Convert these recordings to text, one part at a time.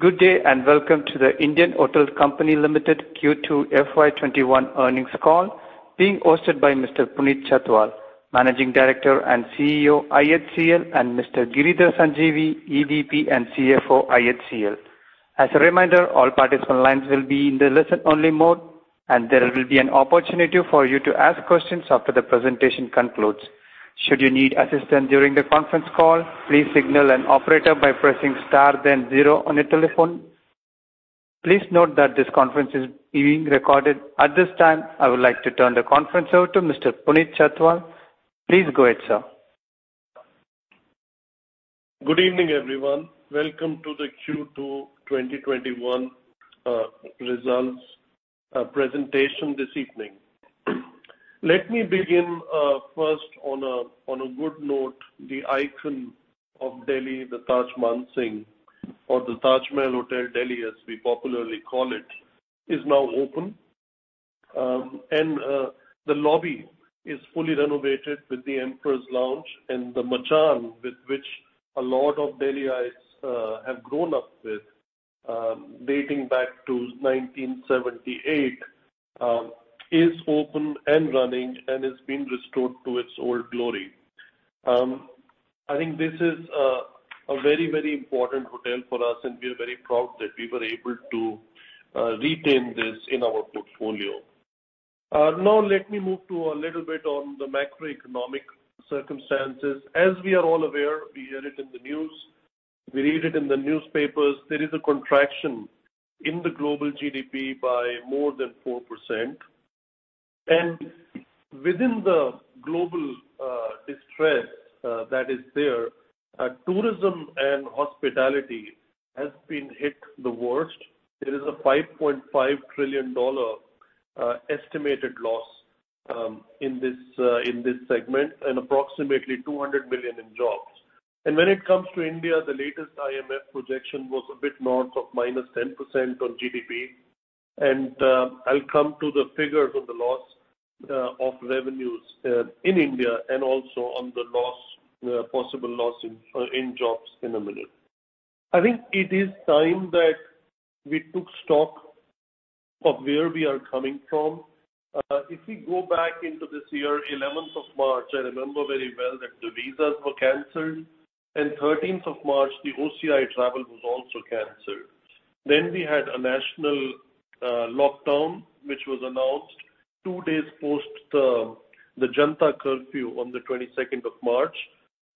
Good day, and welcome to The Indian Hotels Company Limited Q2 FY 2021 Earnings Call being hosted by Mr. Puneet Chhatwal, Managing Director and CEO, IHCL, and Mr. Giridhar Sanjeevi, EVP and CFO, IHCL. As Reminder all parties on the line will be in listen-only mode and there will be an opportunity for you to ask questions after the presentation concludes. Should you need assistance during the conference call, please signal an operator by pressing star then zero on your telephone. Please note that this conference is being recorded. At this time, I would like to turn the conference over to Mr. Puneet Chhatwal. Please go ahead, sir. Good evening, everyone. Welcome to the Q2 2021 results presentation this evening. Let me begin first on a good note. The icon of Delhi, the Taj Mansingh, or the Taj Mahal, New Delhi as we popularly call it, is now open. The lobby is fully renovated with the Emperor Lounge and the Machan with which a lot of Delhiites have grown up with, dating back to 1978, is open and running and has been restored to its old glory. I think this is a very important hotel for us, and we're very proud that we were able to retain this in our portfolio. Now let me move to a little bit on the macroeconomic circumstances. As we are all aware, we hear it in the news, we read it in the newspapers, there is a contraction in the global GDP by more than 4%. And wIthin the global distress that is there, tourism and hospitality has been hit the worst. There is a $5.5 trillion estimated loss in this segment and approximately 200 million in jobs. When it comes to India, the latest IMF projection was a bit north of -10% on GDP. I'll come to the figures of the loss of revenues in India and also on the possible loss in jobs in a minute. I think it is time that we took stock of where we are coming from. If we go back into this year, 11th of March, I remember very well that the visas were canceled. 13th of March, the OCI travel was also canceled. We had a national lockdown, which was announced two days post the Janata Curfew on the 22nd of March.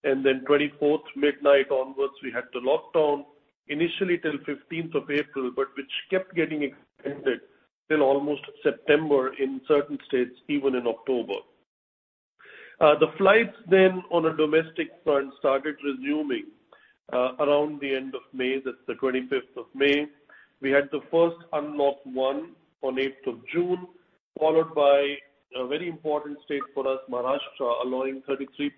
24th of March, midnight onwards, we had the lockdown initially till 15th of April, but which kept getting extended till almost September, in certain states even in October. The flights then on a domestic front started resuming around the end of May, that's the 25th of May. We had the first Unlock 1 on 8th of June, followed by a very important state for us, Maharashtra, allowing 33%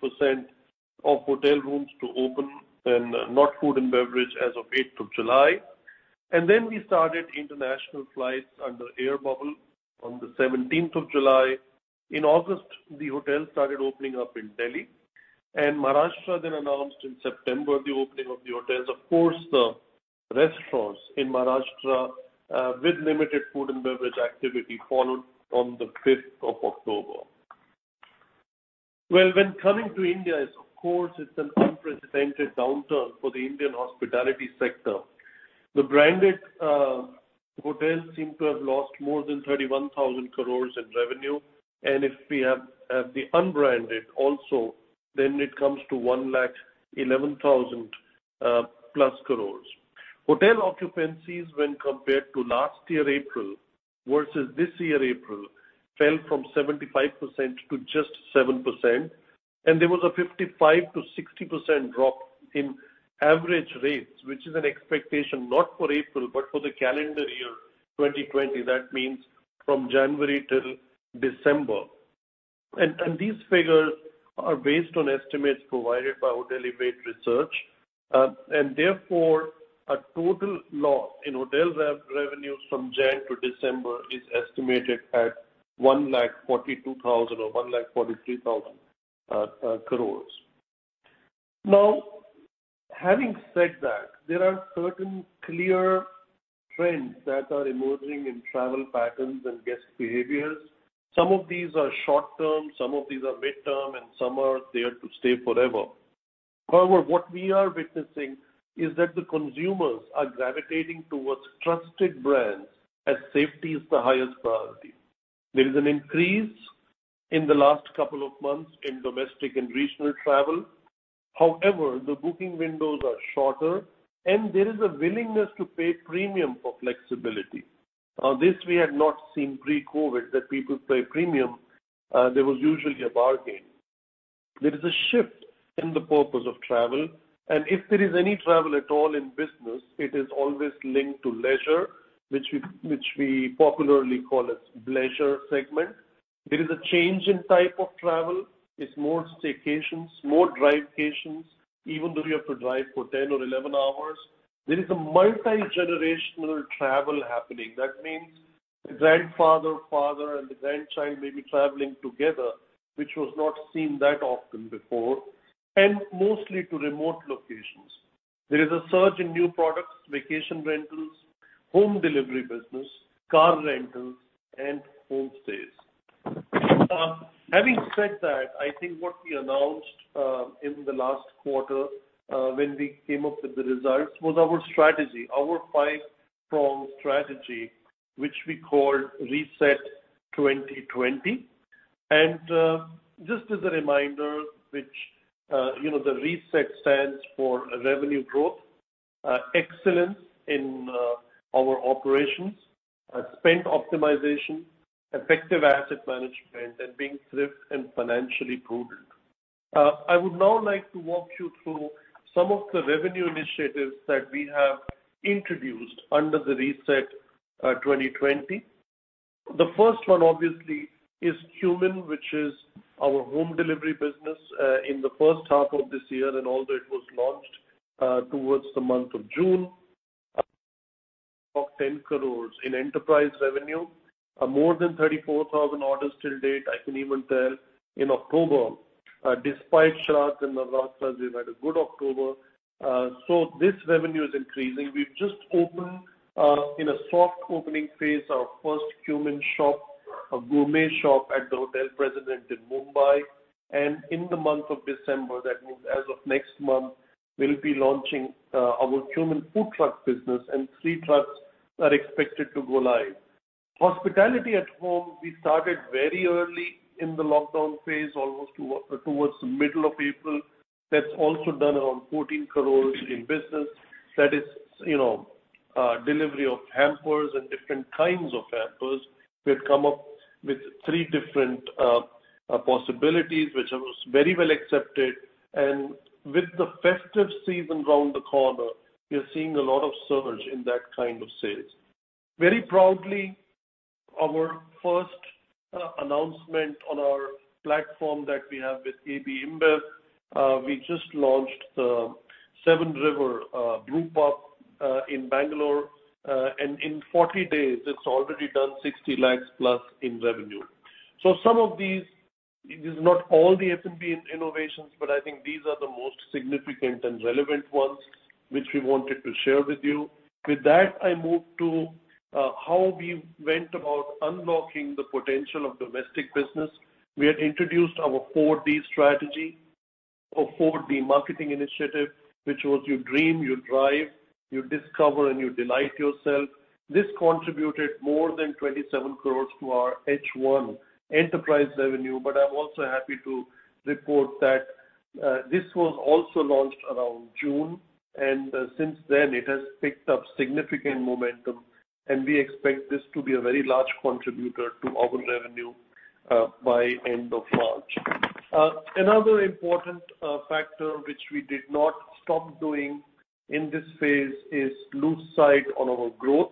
of hotel rooms to open and not food and beverage as of 8th of July. We started international flights under air bubble on the 17th of July. In August, the hotels started opening up in Delhi. Maharashtra then announced in September the opening of the hotels. Of course, the restaurants in Maharashtra with limited food and beverage activity followed on the 5th of October. When coming to India, of course, it's an unprecedented downturn for the Indian hospitality sector. The branded hotels seem to have lost more than 31,000 crores in revenue. If we have the unbranded also, then it comes to 111,000+ crores. Hotel occupancies when compared to last year April versus this year April fell from 75% to just 7%. There was a 55%-60% drop in average rates, which is an expectation not for April but for the calendar year 2020. That means from January till December. These figures are based on estimates provided by Hotelivate Research. Therefore, a total loss in hotel revenues from Jan to December is estimated at 142,000 crores or 143,000 crores. Having said that, there are certain clear trends that are emerging in travel patterns and guest behaviors. Some of these are short-term, some of these are mid-term, and some are there to stay forever. What we are witnessing is that the consumers are gravitating towards trusted brands as safety is the highest priority. There is an increase in the last couple of months in domestic and regional travel. However the booking windows are shorter, and there is a willingness to pay premium for flexibility. This we had not seen pre-COVID that people pay premium. There was usually a bargain. There is a shift in the purpose of travel, and if there is any travel at all in business, it is always linked to leisure, which we popularly call as leisure segment. There is a change in type of travel. It's more staycations, more drivecations, even though you have to drive for 10 or 11 hours. There is a multigenerational travel happening. That means, the grandfather, father, and the grandchild may be traveling together, which was not seen that often before, and mostly to remote locations. There is a surge in new products, vacation rentals, home delivery business, car rentals, and home stays. Having said that, I think what we announced in the last quarter when we came up with the results was our strategy, our five-prong strategy, which we called R.E.S.E.T 2020. Just as a reminder, which the R.E.S.E.T stands for revenue growth, excellence in our operations, spend optimization, effective asset management, and being thrift and financially prudent. I would now like to walk you through some of the revenue initiatives that we have introduced under the R.E.S.E.T 2020. The first one obviously is Qmin, which is our home delivery business in the first half of this year. Although it was launched towards the month of June, of 10 crores in enterprise revenue, more than 34,000 orders till date. I can even tell in October, despite Shraadh and Navratri, we've had a good October. This revenue is increasing. We've just opened, in a soft opening phase, our first Qmin shop, a gourmet shop at the Hotel President in Mumbai. In the month of December, that means as of next month, we'll be launching our Qmin food truck business, three trucks are expected to go live. Hospitality at Home, we started very early in the lockdown phase, almost towards the middle of April. That's also done around 14 crores in business. That is delivery of hampers and different kinds of hampers. We have come up with three different possibilities, which was very well accepted. With the festive season around the corner, we are seeing a lot of surge in that kind of sales. Very proudly, our first announcement on our platform that we have with AB InBev, we just launched the 7Rivers Brewpub in Bengaluru. In 40 days, it's already done 60 lakhs+ in revenue. Some of these, it is not all the F&B innovations, but I think these are the most significant and relevant ones which we wanted to share with you. With that, I move to how we went about unlocking the potential of domestic business. We had introduced our 4D strategy. Our 4D marketing initiative, which was you dream, you drive, you discover, and you delight yourself. This contributed more than 27 crores to our H1 enterprise revenue. But I'm also happy to report that this was also launched around June, and since then it has picked up significant momentum, and we expect this to be a very large contributor to our revenue by end of March. Another important factor which we did not stop doing in this phase is lose sight on our growth.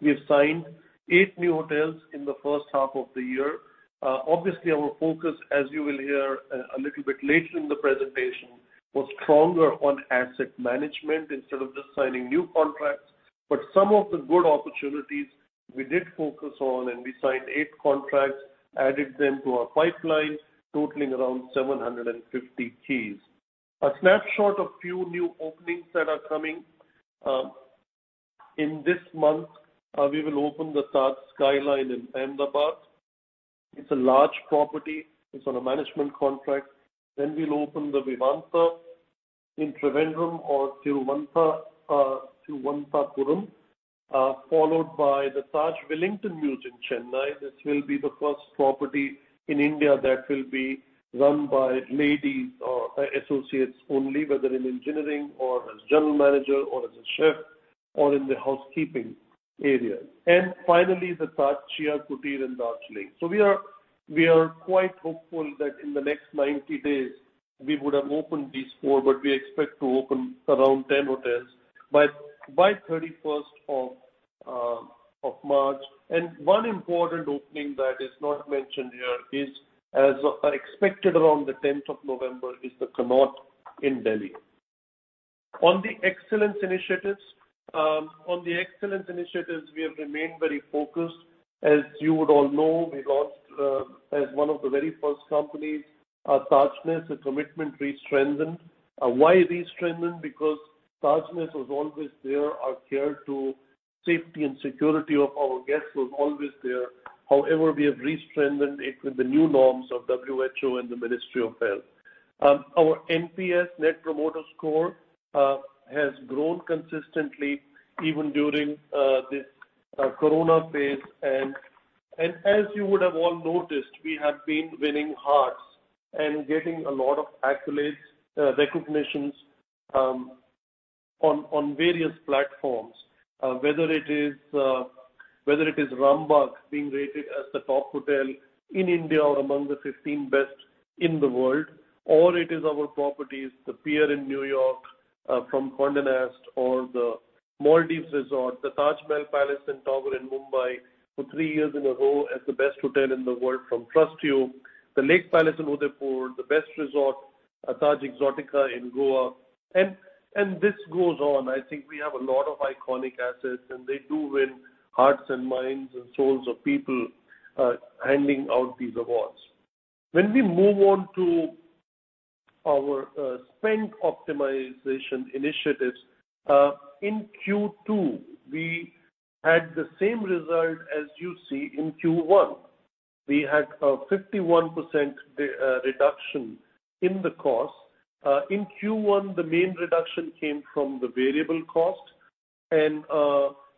We have signed eight new hotels in the first half of the year. Obviously, our focus, as you will hear a little bit later in the presentation, was stronger on asset management instead of just signing new contracts. Some of the good opportunities we did focus on, and we signed eight contracts, added them to our pipeline, totaling around 750 keys. A snapshot of few new openings that are coming. In this month, we will open the Taj Skyline in Ahmedabad. It's a large property. It's on a management contract. We'll open the Vivanta in Trivandrum or Thiruvananthapuram, followed by the Taj Wellington Mews in Chennai. This will be the first property in India that will be run by ladies or associates only, whether in engineering or as general manager or as a chef or in the housekeeping area. Finally, the Taj Chia Kutir in Darjeeling. We are quite hopeful that in the next 90 days we would have opened these four, but we expect to open around 10 hotels by 31st of March. One important opening that is not mentioned here is as expected around the 10th of November is The Connaught in Delhi. On the excellence initiatives, we have remained very focused. As you would all know, we launched as one of the very first companies, Tajness, a commitment restrengthened. Why restrengthened? Because Tajness was always there. Our care to safety and security of our guests was always there. However, we have restrengthened it with the new norms of WHO and the Ministry of Health. Our NPS, Net Promoter Score has grown consistently even during this Corona phase. As you would have all noticed, we have been winning hearts and getting a lot of accolades, recognitions on various platforms. Whether it is Rambagh being rated as the top hotel in India or among the 15 best in the world, or it is our properties, The Pierre in New York from Condé Nast, or the Maldives resort, The Taj Mahal Palace and Tower in Mumbai for three years in a row as the best hotel in the world from TrustYou, Taj Lake Palace in Udaipur, the best resort Taj Exotica in Goa. This goes on. I think we have a lot of iconic assets, and they do win hearts and minds and souls of people handing out these awards. We move on to our spend optimization initiatives. In Q2, we had the same result as you see in Q1. We had a 51% reduction in the cost. In Q1, the main reduction came from the variable cost and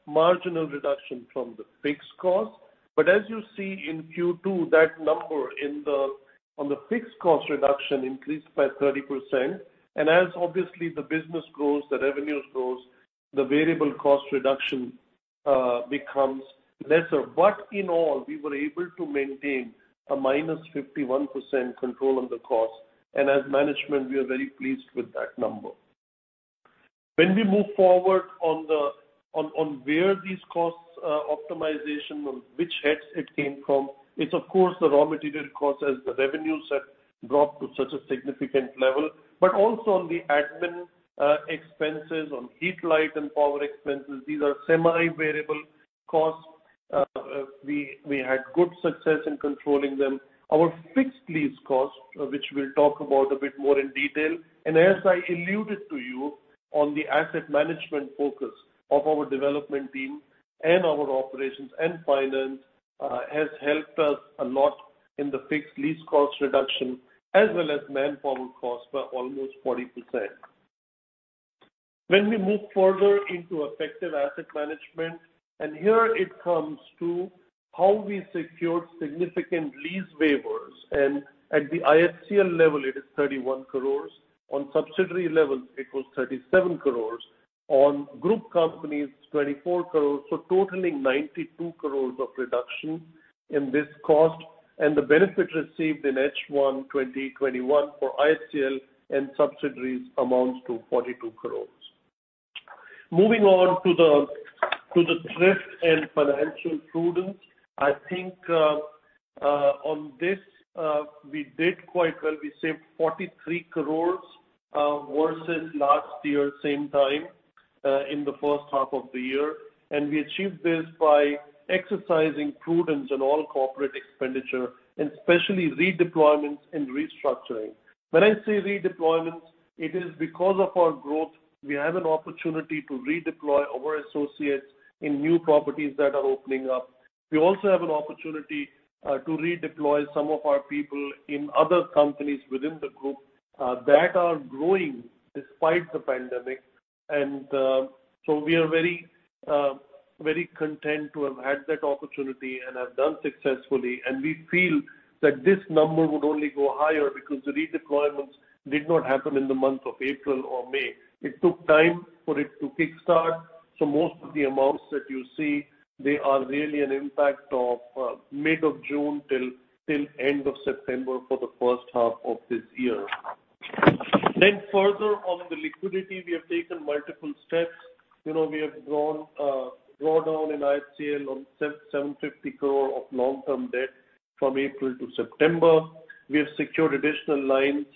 a marginal reduction from the fixed cost. But as you see in Q2, that number on the fixed cost reduction increased by 30%. As obviously the business grows, the revenues grows, the variable cost reduction becomes lesser. In all, we were able to maintain a -51% control on the cost. As management, we are very pleased with that number. We move forward on where these costs optimization, on which heads it came from. It's of course the raw material cost as the revenues have dropped to such a significant level. Also on the admin expenses, on heat, light, and power expenses. These are semi-variable costs. We had good success in controlling them. Our fixed lease cost, which we'll talk about a bit more in detail. As I alluded to you on the asset management focus of our development team and our operations and finance has helped us a lot in the fixed lease cost reduction as well as manpower cost by almost 40%. When we move further into effective asset management, and here it comes to how we secured significant lease waivers. At the IHCL level it is 31 crores, on subsidiary levels it was 37 crores, on group companies 24 crores, so totaling 92 crores of reduction in this cost. The benefit received in H1 2021 for IHCL and subsidiaries amounts to 42 crores. Moving on to the thrift and financial prudence. I think on this we did quite well. We saved 43 crores versus last year same time in the first half of the year. We achieved this by exercising prudence on all corporate expenditure and especially redeployments and restructuring. When I say redeployments, it is because of our growth. We have an opportunity to redeploy our associates in new properties that are opening up. We also have an opportunity to redeploy some of our people in other companies within the group that are growing despite the pandemic. We are very content to have had that opportunity and have done successfully, and we feel that this number would only go higher because the redeployments did not happen in the month of April or May. It took time for it to kickstart. Most of the amounts that you see, they are really an impact of mid of June till end of September for the first half of this year. Further on the liquidity, we have taken multiple steps. We have drawn down in IHCL on 750 crores of long-term debt from April to September. We have secured additional lines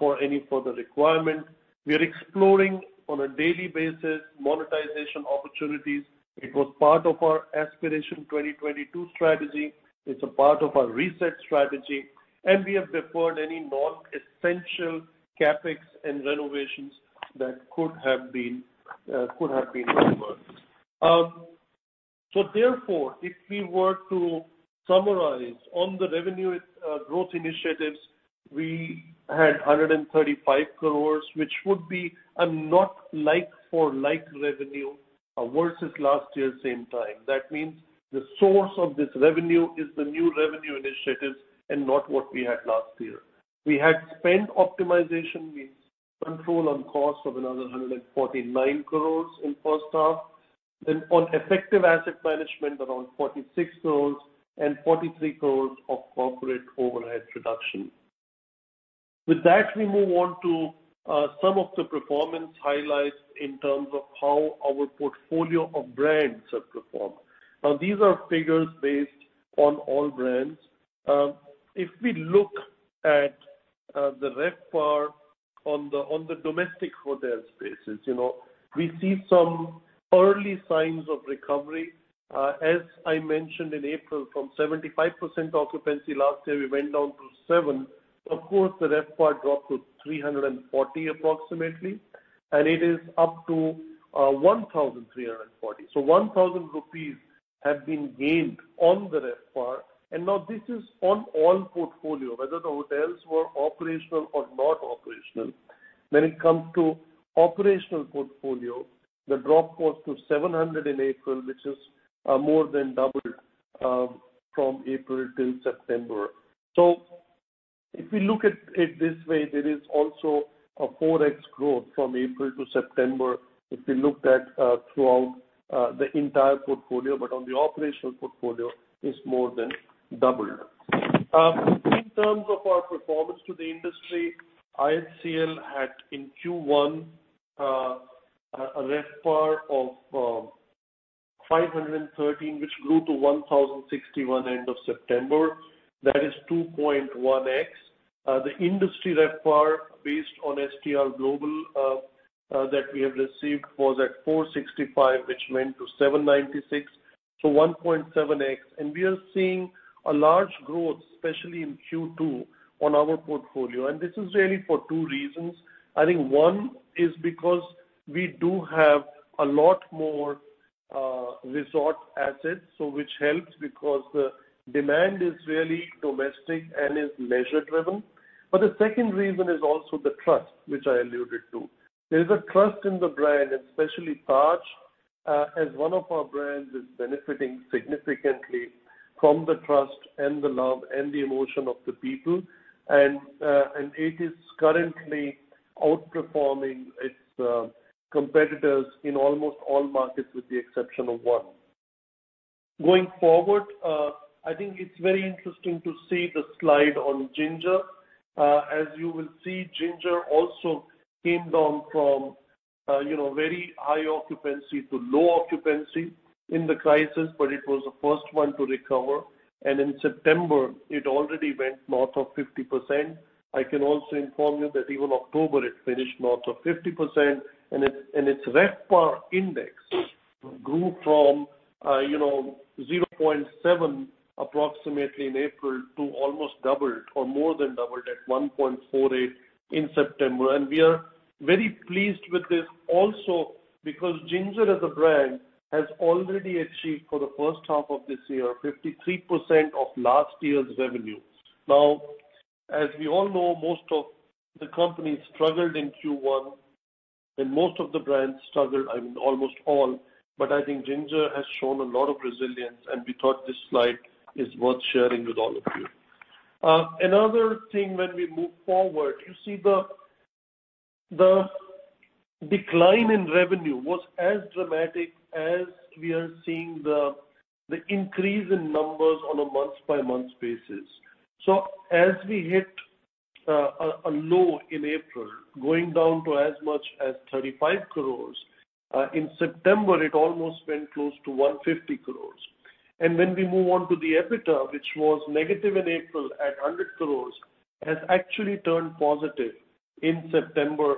for any further requirement. We are exploring on a daily basis monetization opportunities. It was part of our Aspiration 2022 strategy. It's a part of our R.E.S.E.T strategy. We have deferred any non-essential CapEx and renovations that could have been reversed. Therefore, if we were to summarize on the revenue growth initiatives, we had 135 crores, which would be a not like-for-like revenue versus last year same time. That means the source of this revenue is the new revenue initiatives and not what we had last year. We had spend optimization with control on cost of another 149 crores in first half. On effective asset management, around 46 crores, and 43 crores of corporate overhead reduction. With that, we move on to some of the performance highlights in terms of how our portfolio of brands have performed. These are figures based on all brands. If we look at the RevPAR on the domestic hotel spaces, we see some early signs of recovery. As I mentioned in April, from 75% occupancy last year we went down to 7%. The RevPAR dropped to 340 approximately, and it is up to 1,340. 1,000 rupees have been gained on the RevPAR. This is on all portfolio, whether the hotels were operational or not operational. When it comes to operational portfolio, the drop was to 700 in April, which is more than doubled from April till September. If we look at it this way, there is also a 4x growth from April to September if we looked at throughout the entire portfolio. On the operational portfolio, it's more than doubled. In terms of our performance to the industry, IHCL had in Q1 a RevPAR of 513, which grew to 1,061 end of September. That is 2.1x. The industry RevPAR based on STR Global that we have received was at 465, which went to 796, so 1.7x. We are seeing a large growth, especially in Q2 on our portfolio. This is really for two reasons. I think one is because we do have a lot more resort assets, so which helps because the demand is really domestic and is leisure-driven. The second reason is also the trust, which I alluded to. There's a trust in the brand, and especially Taj, as one of our brands, is benefiting significantly from the trust and the love and the emotion of the people. It is currently outperforming its competitors in almost all markets, with the exception of one. Going forward, I think it's very interesting to see the slide on Ginger. As you will see, Ginger also came down from very high occupancy to low occupancy in the crisis, but it was the first one to recover. In September, it already went north of 50%. I can also inform you that even October it finished north of 50%, and its RevPAR index grew from 0.7 approximately in April to almost doubled or more than doubled at 1.48 in September. We are very pleased with this also because Ginger as a brand has already achieved for the first half of this year, 53% of last year's revenue. As we all know, most of the companies struggled in Q1 and most of the brands struggled, I mean, almost all. I think Ginger has shown a lot of resilience, and we thought this slide is worth sharing with all of you. Another thing when we move forward, you see the decline in revenue was as dramatic as we are seeing the increase in numbers on a month-by-month basis. As we hit a low in April, going down to as much as 35 crores, in September it almost went close to 150 crores. When we move on to the EBITDA, which was negative in April at 100 crores, has actually turned positive in September.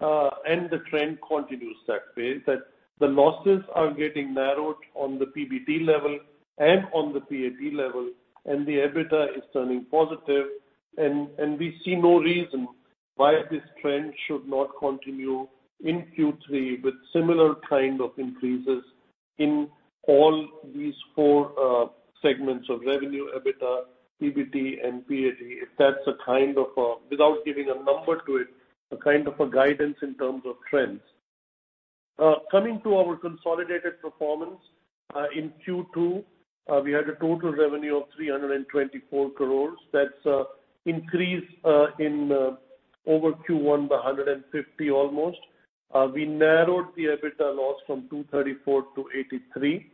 The trend continues that way, that the losses are getting narrowed on the PBT level and on the PAT level, and the EBITDA is turning positive. We see no reason why this trend should not continue in Q3 with similar kind of increases in all these four segments of revenue, EBITDA, PBT, and PAT. If that's a kind of, without giving a number to it, a kind of a guidance in terms of trends. Coming to our consolidated performance. In Q2, we had a total revenue of 324 crores. That's increase in over Q1 by 150 almost. We narrowed the EBITDA loss from 234-83.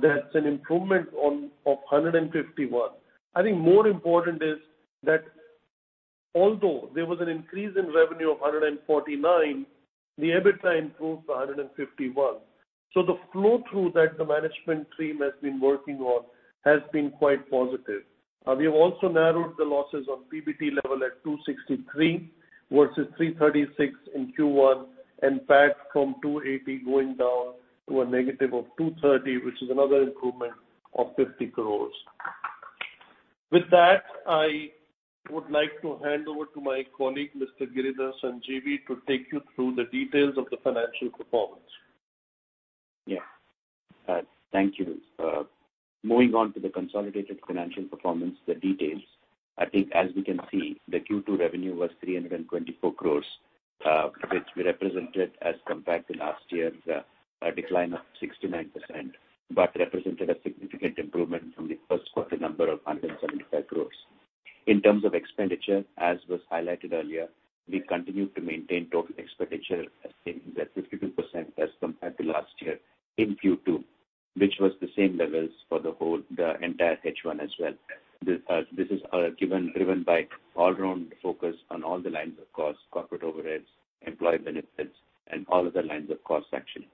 That's an improvement of 151. I think more important is that although there was an increase in revenue of 149, the EBITDA improved to 151. The flow-through that the management team has been working on has been quite positive. We have also narrowed the losses on PBT level at 263 versus 336 in Q1, and PAT from 280 going down to a negative of 230, which is another improvement of 50 crores. With that, I would like to hand over to my colleague, Mr. Giridhar Sanjeevi, to take you through the details of the financial performance. Yeah. Thank you. Moving on to the consolidated financial performance, the details. I think as we can see, the Q2 revenue was 324 crores, which we represented as compared to last year's decline of 69%, but represented a significant improvement from the first quarter number of 175 crores. In terms of expenditure, as was highlighted earlier, we continued to maintain total expenditure as saying that 52% as compared to last year in Q2, which was the same levels for the entire H1 as well. This is driven by all-round focus on all the lines of cost, corporate overheads, employee benefits, and all other lines of cost actually.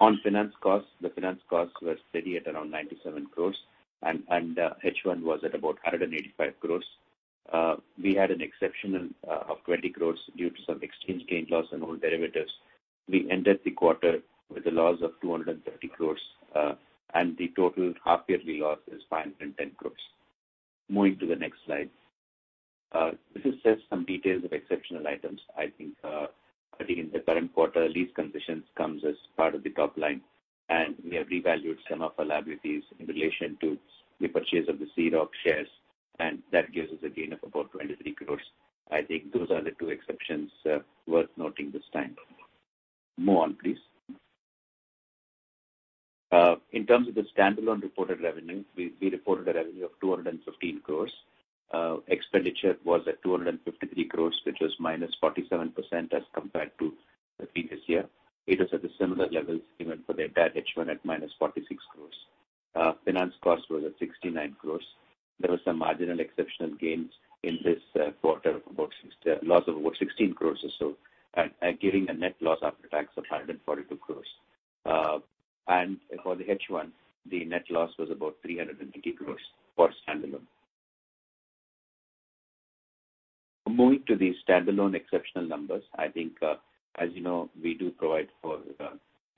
On finance costs, the finance costs were steady at around 97 crores, and H1 was at about 185 crores. We had an exceptional of 20 crores due to some exchange gain loss on all derivatives. We ended the quarter with a loss of 230 crores. The total half-yearly loss is 510 crores. Moving to the next slide. This is just some details of exceptional items. I think in the current quarter, lease concessions comes as part of the top line. We have revalued some of our liabilities in relation to the purchase of the Sea Rock shares. That gives us a gain of about 23 crores. I think those are the two exceptions worth noting this time. Move on, please. In terms of the standalone reported revenue, we reported a revenue of 215 crores. Expenditure was at 253 crores, which was -47% as compared to the previous year. It is at the similar levels even for the entire H1 at -46%. Finance cost was at 69 crores. There was some marginal exceptional gains in this quarter of about loss of over 16 crores or so, giving a net loss after tax of 142 crores. For the H1, the net loss was about 380 crores for standalone. Moving to the standalone exceptional numbers, I think, as you know, we do provide for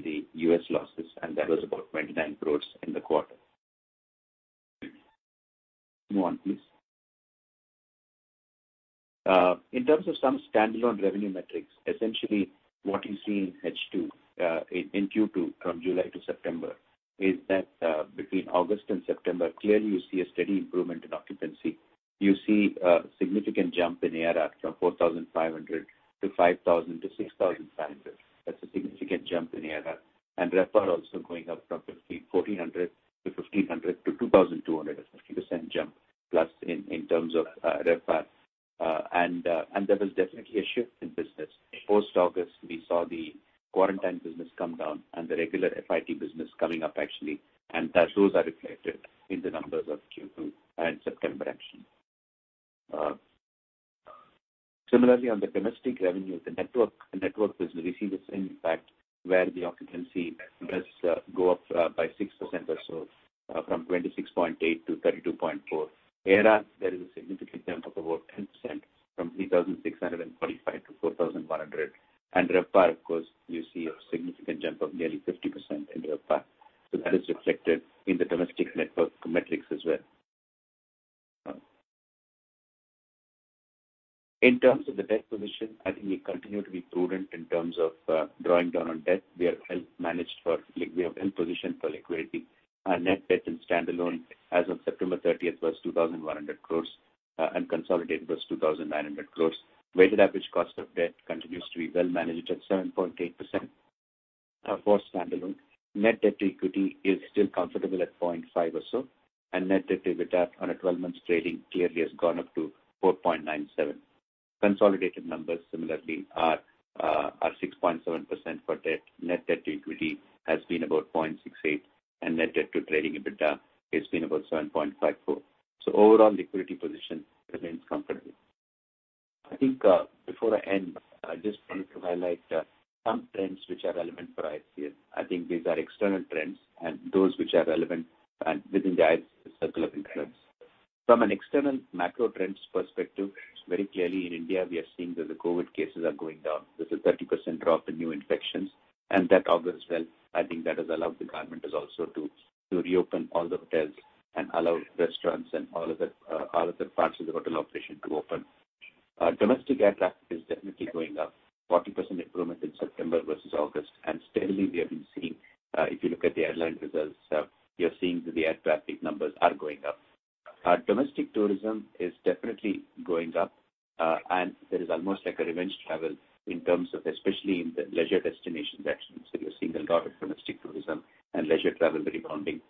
the US losses, and that was about 29 crores in the quarter. Move on, please. In terms of some standalone revenue metrics, essentially what you see in H2, in Q2 from July to September, is that between August and September, clearly you see a steady improvement in occupancy. You see a significant jump in ADR from 4,500-5,000-INR 6,500. That's a significant jump in ADR. RevPAR also going up from 1,400-1,500-INR 2,200, a 50% jump plus in terms of RevPAR. There was definitely a shift in business. Post-August, we saw the quarantine business come down and the regular FIT business coming up actually, that those are reflected in the numbers of Q2 and September actually. Similarly, on the domestic revenue, the network business receiving the same impact where the occupancy does go up by 6% or so from 26.8% to 32.4%. ADR, there is a significant jump of about 10% from 3,645 to 4,100. RevPAR, of course, you see a significant jump of nearly 50% in RevPAR. That is reflected in the domestic network metrics as well. In terms of the debt position, I think we continue to be prudent in terms of drawing down on debt. We are well-positioned for liquidity. Our net debt in standalone as of September 30th was 2,100 crores, and consolidated was 2,900 crores. Weighted average cost of debt continues to be well managed at 7.8% for standalone. Net debt to equity is still comfortable at 0.5 or so, and net debt to EBITDA on a 12-months trailing clearly has gone up to 4.97. Consolidated numbers similarly are 6.7% for debt. Net debt to equity has been about 0.68, and net debt to trailing EBITDA has been about 7.54. Overall, liquidity position remains comfortable. I think before I end, I just wanted to highlight some trends which are relevant for IHCL. I think these are external trends and those which are relevant and within the circle of influence. From an external macro trends perspective, very clearly in India we are seeing that the COVID cases are going down. There's a 30% drop in new infections and that augurs well. I think that has allowed the government also to reopen all the hotels and allow restaurants and all other parts of the hotel operation to open. Domestic air traffic is definitely going up, 40% improvement in September versus August. Steadily we have been seeing, if you look at the airline results, you are seeing that the air traffic numbers are going up. Domestic tourism is definitely going up. There is almost like a revenge travel in terms of especially in the leisure destinations actually. You're seeing a lot of domestic tourism and leisure travel rebounding.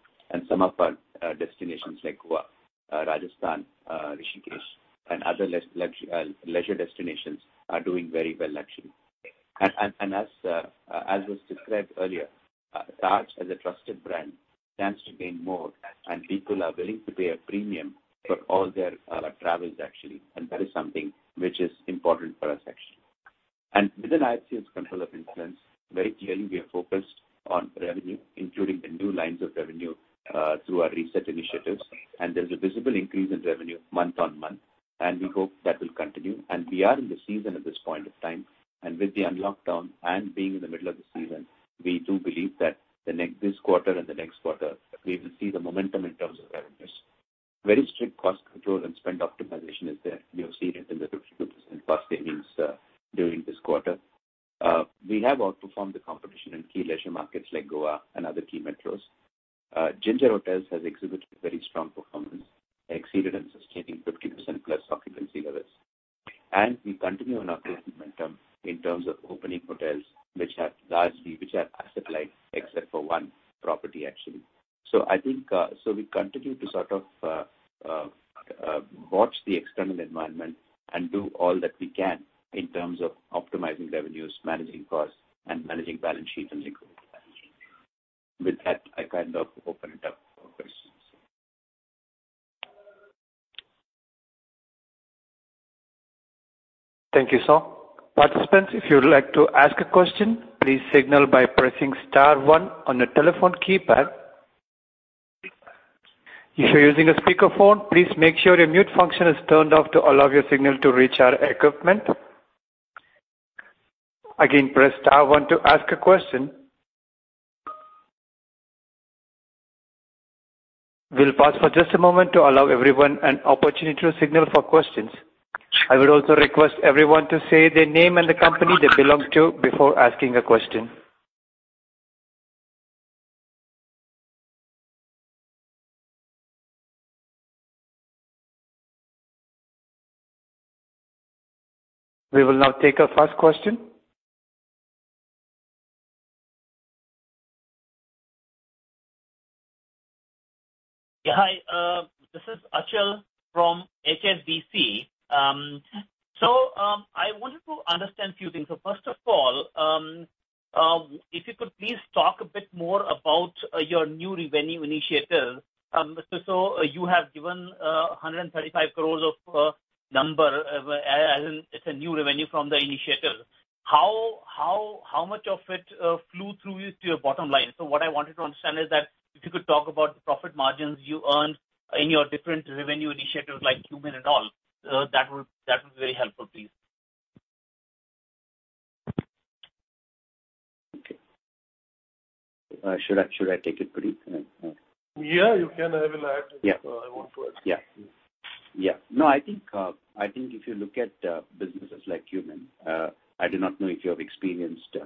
Some of our destinations like Goa, Rajasthan, Rishikesh, and other leisure destinations are doing very well actually. As was described earlier, Taj as a trusted brand stands to gain more and people are willing to pay a premium for all their travels actually. That is something which is important for us actually. Within IHCL's control of influence, very clearly we are focused on revenue, including the new lines of revenue through our R.E.S.E.T initiatives. And there's a visible increase in revenue month-on-month, and we hope that will continue. We are in the season at this point of time. With the unlock down and being in the middle of the season, we do believe that this quarter and the next quarter we will see the momentum in terms of revenues. Very strict cost control and spend optimization is there. You have seen it in the 52%+ ADRs during this quarter. We have outperformed the competition in key leisure markets like Goa and other key metros. Ginger Hotels has exhibited very strong performance, exceeded and sustaining 50%+ occupancy levels. We continue on our growth momentum in terms of opening hotels which are asset light except for one property actually. We continue to watch the external environment and do all that we can in terms of optimizing revenues, managing costs, and managing balance sheet and liquidity management. With that, I open it up for questions. Thank you, sir. Participants, if you would like to ask a question, please signal by pressing star one on your telephone keypad. If you're using a speakerphone, please make sure your mute function is turned off to allow your signal to reach our equipment. Again, press star one to ask a question. We'll pause for just a moment to allow everyone an opportunity to signal for questions. I would also request everyone to say their name and the company they belong to before asking a question. We will now take our first question. Yeah. Hi, this is Achal from HSBC. I wanted to understand a few things. First of all, if you could please talk a bit more about your new revenue initiatives. You have given 135 crores of number as in it's a new revenue from the initiatives. How much of it flew through to your bottom line? What I wanted to understand is that if you could talk about the profit margins you earned in your different revenue initiatives like Qmin and all, that would be very helpful, please. Okay. Should I take it, Puneet? Yeah, you can. I will. Yeah. I want to add. I think if you look at businesses like Qmin, I do not know if you have experienced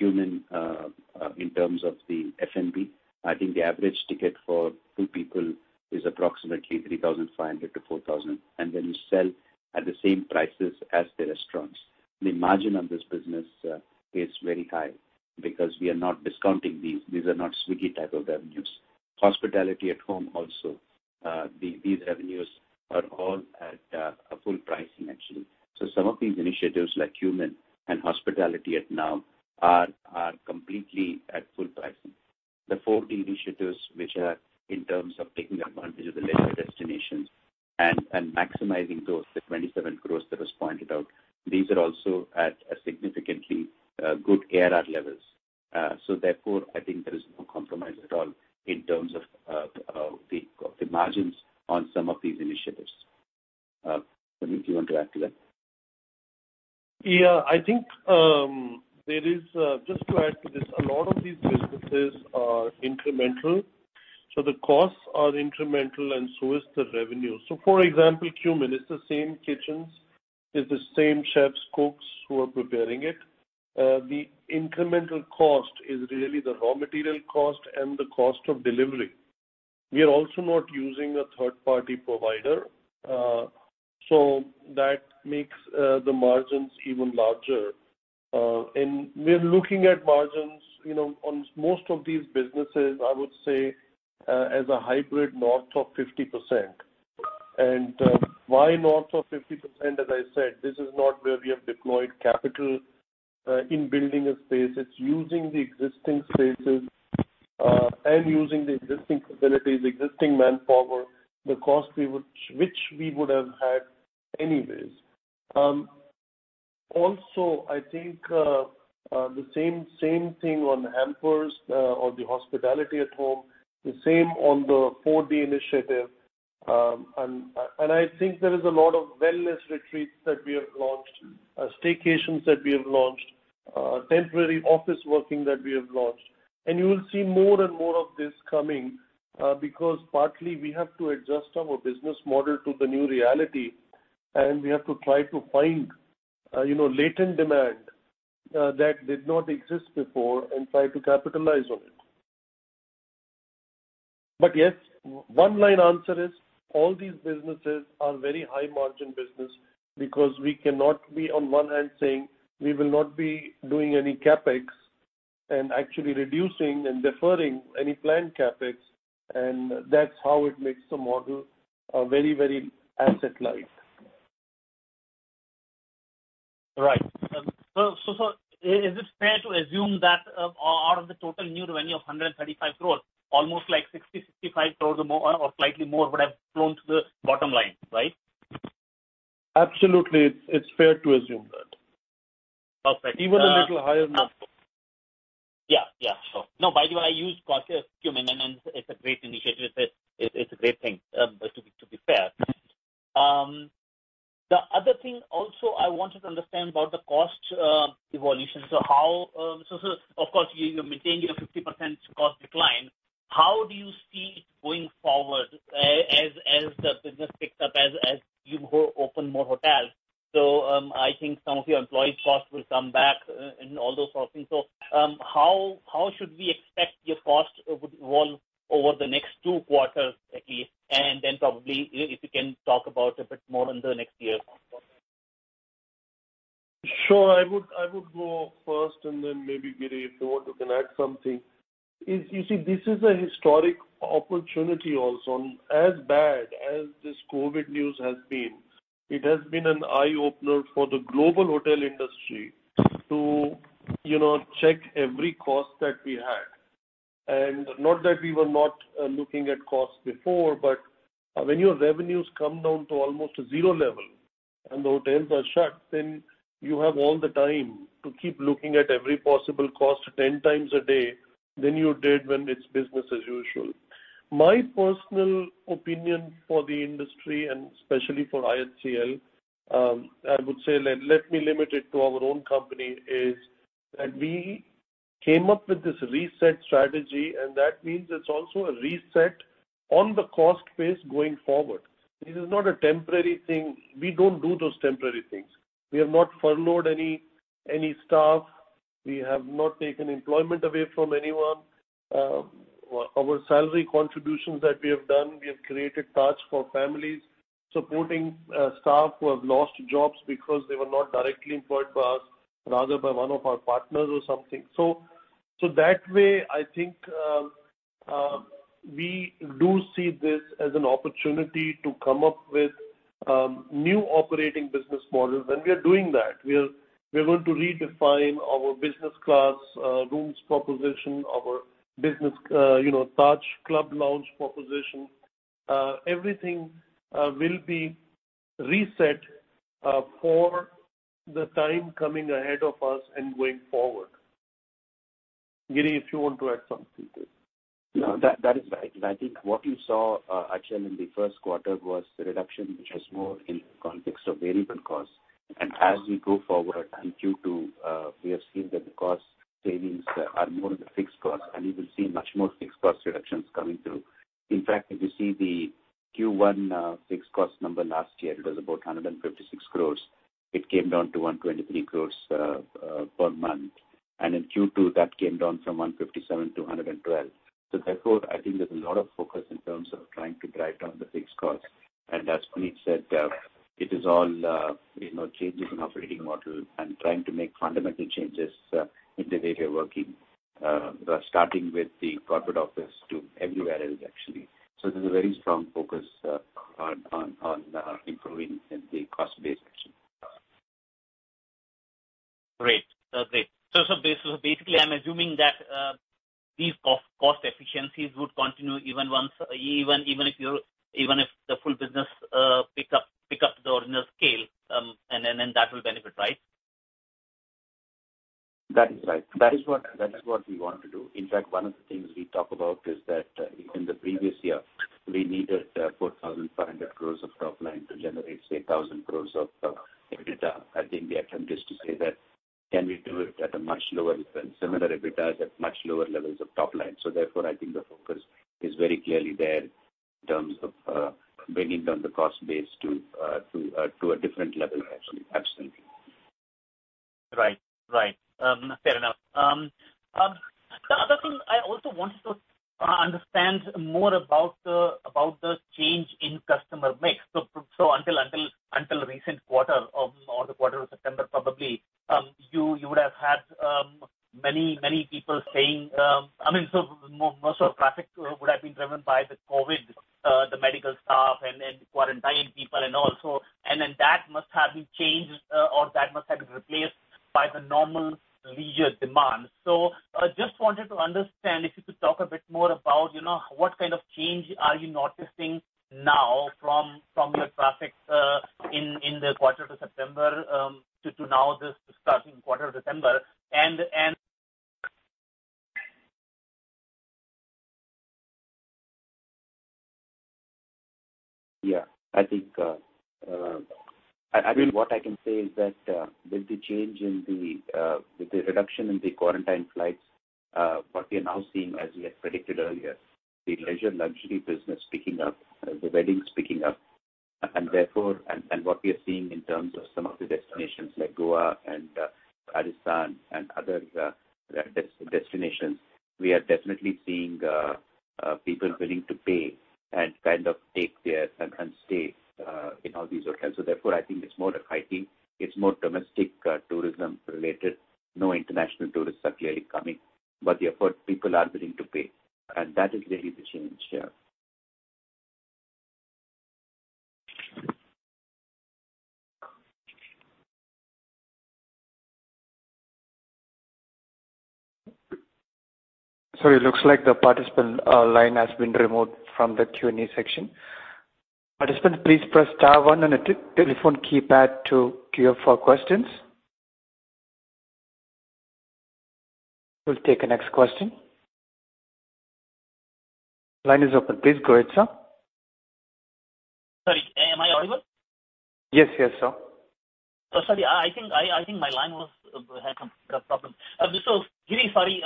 Qmin in terms of the F&B. I think the average ticket for two people is approximately 3,500 to 4,000, and then you sell at the same prices as the restaurants. The margin on this business is very high because we are not discounting these. These are not Swiggy type of revenues. Hospitality at Home also, these revenues are all at a full pricing actually. Some of these initiatives like Qmin and Hospitality at Home are completely at full pricing. The four key initiatives which are in terms of taking advantage of the bleisure destinations and maximizing those, the 27 crores that was pointed out, these are also at significantly good ARR levels. Therefore, I think there is no compromise at all in terms of the margins on some of these initiatives. Puneet, do you want to add to that? Yeah, just to add to this, a lot of these businesses are incremental. The costs are incremental and so is the revenue. For example, Qmin is the same kitchens, is the same chefs, cooks who are preparing it. The incremental cost is really the raw material cost and the cost of delivery. We are also not using a third-party provider, so that makes the margins even larger. We're looking at margins on most of these businesses, I would say as a hybrid north of 50%. Why north of 50%? As I said, this is not where we have deployed capital in building a space. It's using the existing spaces and using the existing facilities, existing manpower, the cost which we would have had anyways. Also I think the same thing on hampers or the Hospitality at Home, the same on the 4D initiative. And I think there is a lot of wellness retreats that we have launched, staycations that we have launched, temporary office working that we have launched. You will see more and more of this coming because partly we have to adjust our business model to the new reality, and we have to try to find latent demand that did not exist before and try to capitalize on it. But yes, one-line answer is all these businesses are very high-margin business because we cannot be on one hand saying we will not be doing any CapEx and actually reducing and deferring any planned CapEx, and that's how it makes the model very asset-light. Right. Sir, is it fair to assume that out of the total new revenue of 135 crores, almost like 60 crores-65 crores or slightly more would have flown to the bottom line, right? Absolutely, it's fair to assume that. Perfect. Even a little higher than that. No, by the way, I use Qmin, and it's a great initiative. It's a great thing, to be fair. The other thing also I wanted to understand about the cost evolution. Of course, you're maintaining your 50% cost decline. How do you see it going forward as the business picks up, as you open more hotels? I think some of your employee costs will come back and all those sort of things. How should we expect your cost would evolve over the next two quarters at least? Then probably if you can talk about a bit more into next year. Sure. I would go first and then maybe, Giri, if you want to, you can add something. You see, this is a historic opportunity also. As bad as this COVID news has been, it has been an eye-opener for the global hotel industry to check every cost that we had. Not that we were not looking at costs before, but when your revenues come down to almost a zero level and the hotels are shut, then you have all the time to keep looking at every possible cost 10x a day than you did when it's business as usual. My personal opinion for the industry and especially for IHCL, I would say, let me limit it to our own company, is that we came up with this R.E.S.E.T strategy, and that means it's also a R.E.S.E.T on the cost base going forward. This is not a temporary thing. We don't do those temporary things. We have not furloughed any staff. We have not taken employment away from anyone. Our salary contributions that we have done, we have created trusts for families supporting staff who have lost jobs because they were not directly employed by us, rather by one of our partners or something. That way, I think we do see this as an opportunity to come up with new operating business models, and we are doing that. We are going to redefine our business class rooms proposition, our Taj Club Lounge proposition. Everything will be R.E.S.E.T for the time coming ahead of us and going forward. Giri, if you want to add something to it. No, that is right. I think what you saw actually in the first quarter was the reduction, which was more in the context of variable costs. As we go forward and Q2, we have seen that the cost savings are more in the fixed costs, and you will see much more fixed cost reductions coming through. In fact, if you see the Q1 fixed cost number last year, it was about 156 crores. It came down to 123 crores per month. In Q2, that came down from 157 crores-112 crores. Therefore, I think there's a lot of focus in terms of trying to drive down the fixed costs. As Puneet said, it is all changes in operating model and trying to make fundamental changes in the way we are working, starting with the corporate office to everywhere else, actually. There's a very strong focus on improving the cost base actually. Great basically, I'm assuming that these cost efficiencies would continue even if the full business picks up to the original scale, and then that will benefit, right? That is right. That is what we want to do. In fact, one of the things we talk about is that in the previous year, we needed 4,500 crores of top line to generate, say, 1,000 crores of EBITDA. I think the attempt is to say that can we do it at a much lower expense, similar EBITDAs at much lower levels of top line. Therefore, I think the focus is very clearly there in terms of bringing down the cost base to a different level, actually. Absolutely. Right. Fair enough. The other thing I also wanted to understand more about the change in customer mix. Until recent quarter or the quarter of September probably, you would have had many people. Most of the traffic would have been driven by the COVID, the medical staff and quarantined people and all. That must have been changed or that must have been replaced by the normal bleisure demand. Just wanted to understand if you could talk a bit more about what kind of change are you noticing now from your traffic in the quarter to September to now this starting quarter of December. Yeah. I think what I can say is that with the reduction in the quarantine flights what we are now seeing as we had predicted earlier, the bleisure luxury business picking up, the weddings picking up and what we are seeing in terms of some of the destinations like Goa and Rajasthan and other destinations. We are definitely seeing people willing to pay and take their time and stay in all these hotels. Therefore, I think it's more domestic tourism related. No international tourists are clearly coming, but therefore people are willing to pay, and that is really the change. Yeah. Sorry, looks like the participant line has been removed from the Q&A section. Participants, please press star one on your telephone keypad to queue for questions. We'll take the next question. Line is open. Please go ahead, sir. Sorry, am I audible? Yes, sir. Sorry. I think my line had some problem. Giri, sorry.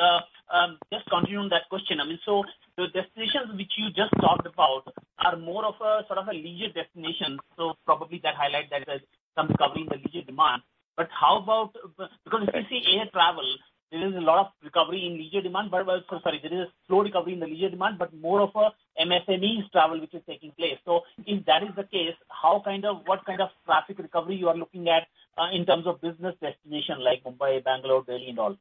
Just continuing that question. The destinations which you just talked about are more of a sort of a bleisure destination. Probably that highlight that there's some recovery in the bleisure demand. Because if you see air travel, there is a lot of recovery in bleisure demand. Sorry, there is a slow recovery in the bleisure demand, but more of a MSMEs travel which is taking place. If that is the case, what kind of traffic recovery you are looking at in terms of business destination like Mumbai, Bangalore, Delhi and all?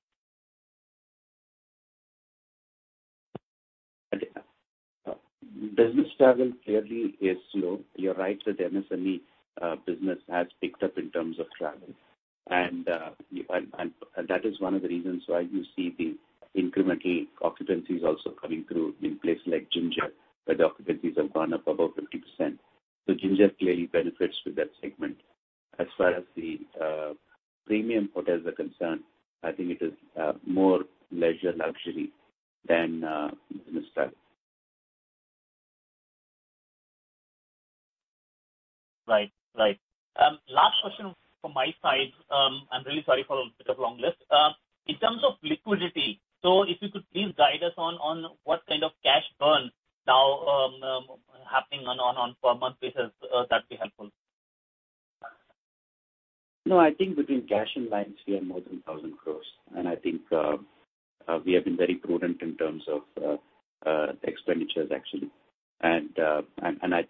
Business travel clearly is slow. You are right that MSME business has picked up in terms of travel. That is one of the reasons why you see the incremental occupancies also coming through in places like Ginger, where the occupancies have gone up above 50%. Ginger clearly benefits with that segment. As far as the premium hotels are concerned, I think it is more bleisure luxury than business travel. Right. Last question from my side. I'm really sorry for a bit of long list. In terms of liquidity, so if you could please guide us on what kind of cash burn now happening on a per month basis, that'd be helpful. No, I think between cash and lines, we have more than 1,000 crores. I think we have been very prudent in terms of expenditures, actually. I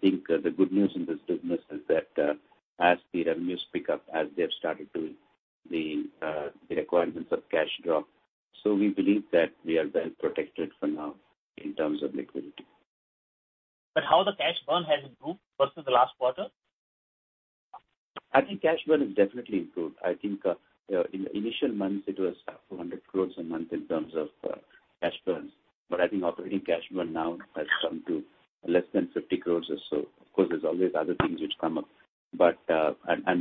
think the good news in this business is that as the revenues pick up, as they have started to, the requirements of cash drop. We believe that we are well protected for now in terms of liquidity. How the cash burn has improved versus the last quarter? I think cash burn has definitely improved. I think in the initial months it was 200 crores a month in terms of cash burns. I think operating cash burn now has come to less than 50 crores or so. Of course, there's always other things which come up.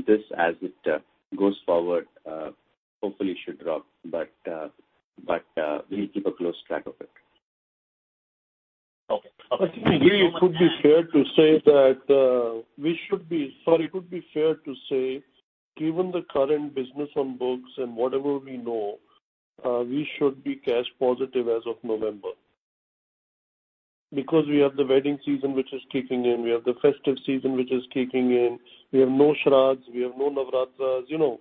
This, as it goes forward, hopefully should drop. We'll keep a close track of it. Okay. I think, Giri, it could be fair to say, given the current business on books and whatever we know, we should be cash positive as of November. We have the wedding season, which is kicking in, we have the festive season, which is kicking in. We have no Shraadhs, we have no Navratris,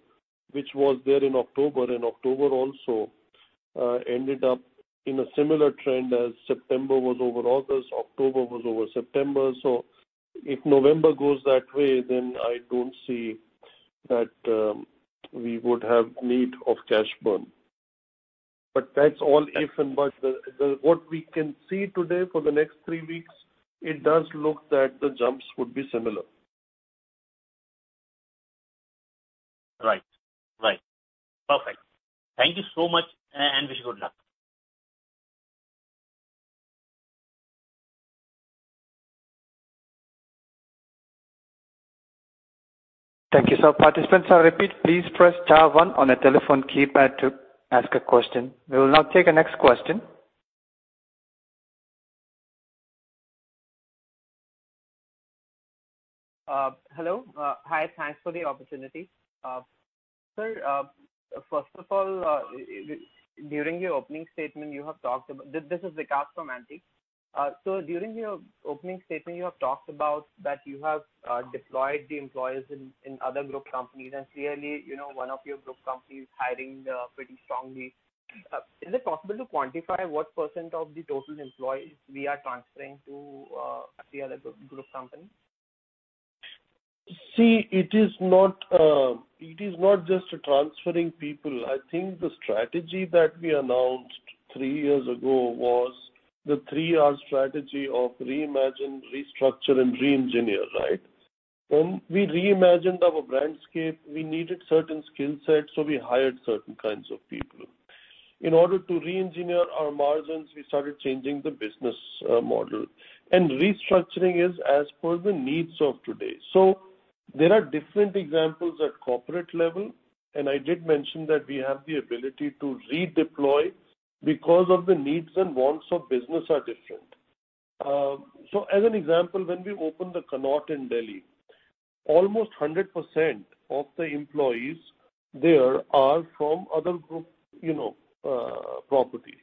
which were there in October, and October also ended up in a similar trend as September was over August, October was over September. If November goes that way, I don't see that we would have need of cash burn. That's all if and but. What we can see today for the next three weeks, it does look that the jumps would be similar. Right. Perfect. Thank you so much, and wish you good luck. Thank you. Participants, I repeat, please press star one on your telephone keypad to ask a question. We will now take our next question. Hello. Hi, thanks for the opportunity. This is Vikas from Antique. Sir, during your opening statement, you have talked about that you have deployed the employees in other group companies, and clearly one of your group companies is hiring pretty strongly. Is it possible to quantify what percent of the total employees we are transferring to the other group companies? It is not just transferring people. I think the strategy that we announced three years ago was the 3R strategy of reimagine, restructure, and reengineer. When we reimagined our brandscape, we needed certain skill sets, so we hired certain kinds of people. In order to reengineer our margins, we started changing the business model. Restructuring is as per the needs of today. There are different examples at corporate level, and I did mention that we have the ability to redeploy because of the needs and wants of business are different. As an example, when we opened The Connaught in New Delhi, almost 100% of the employees there are from other group properties.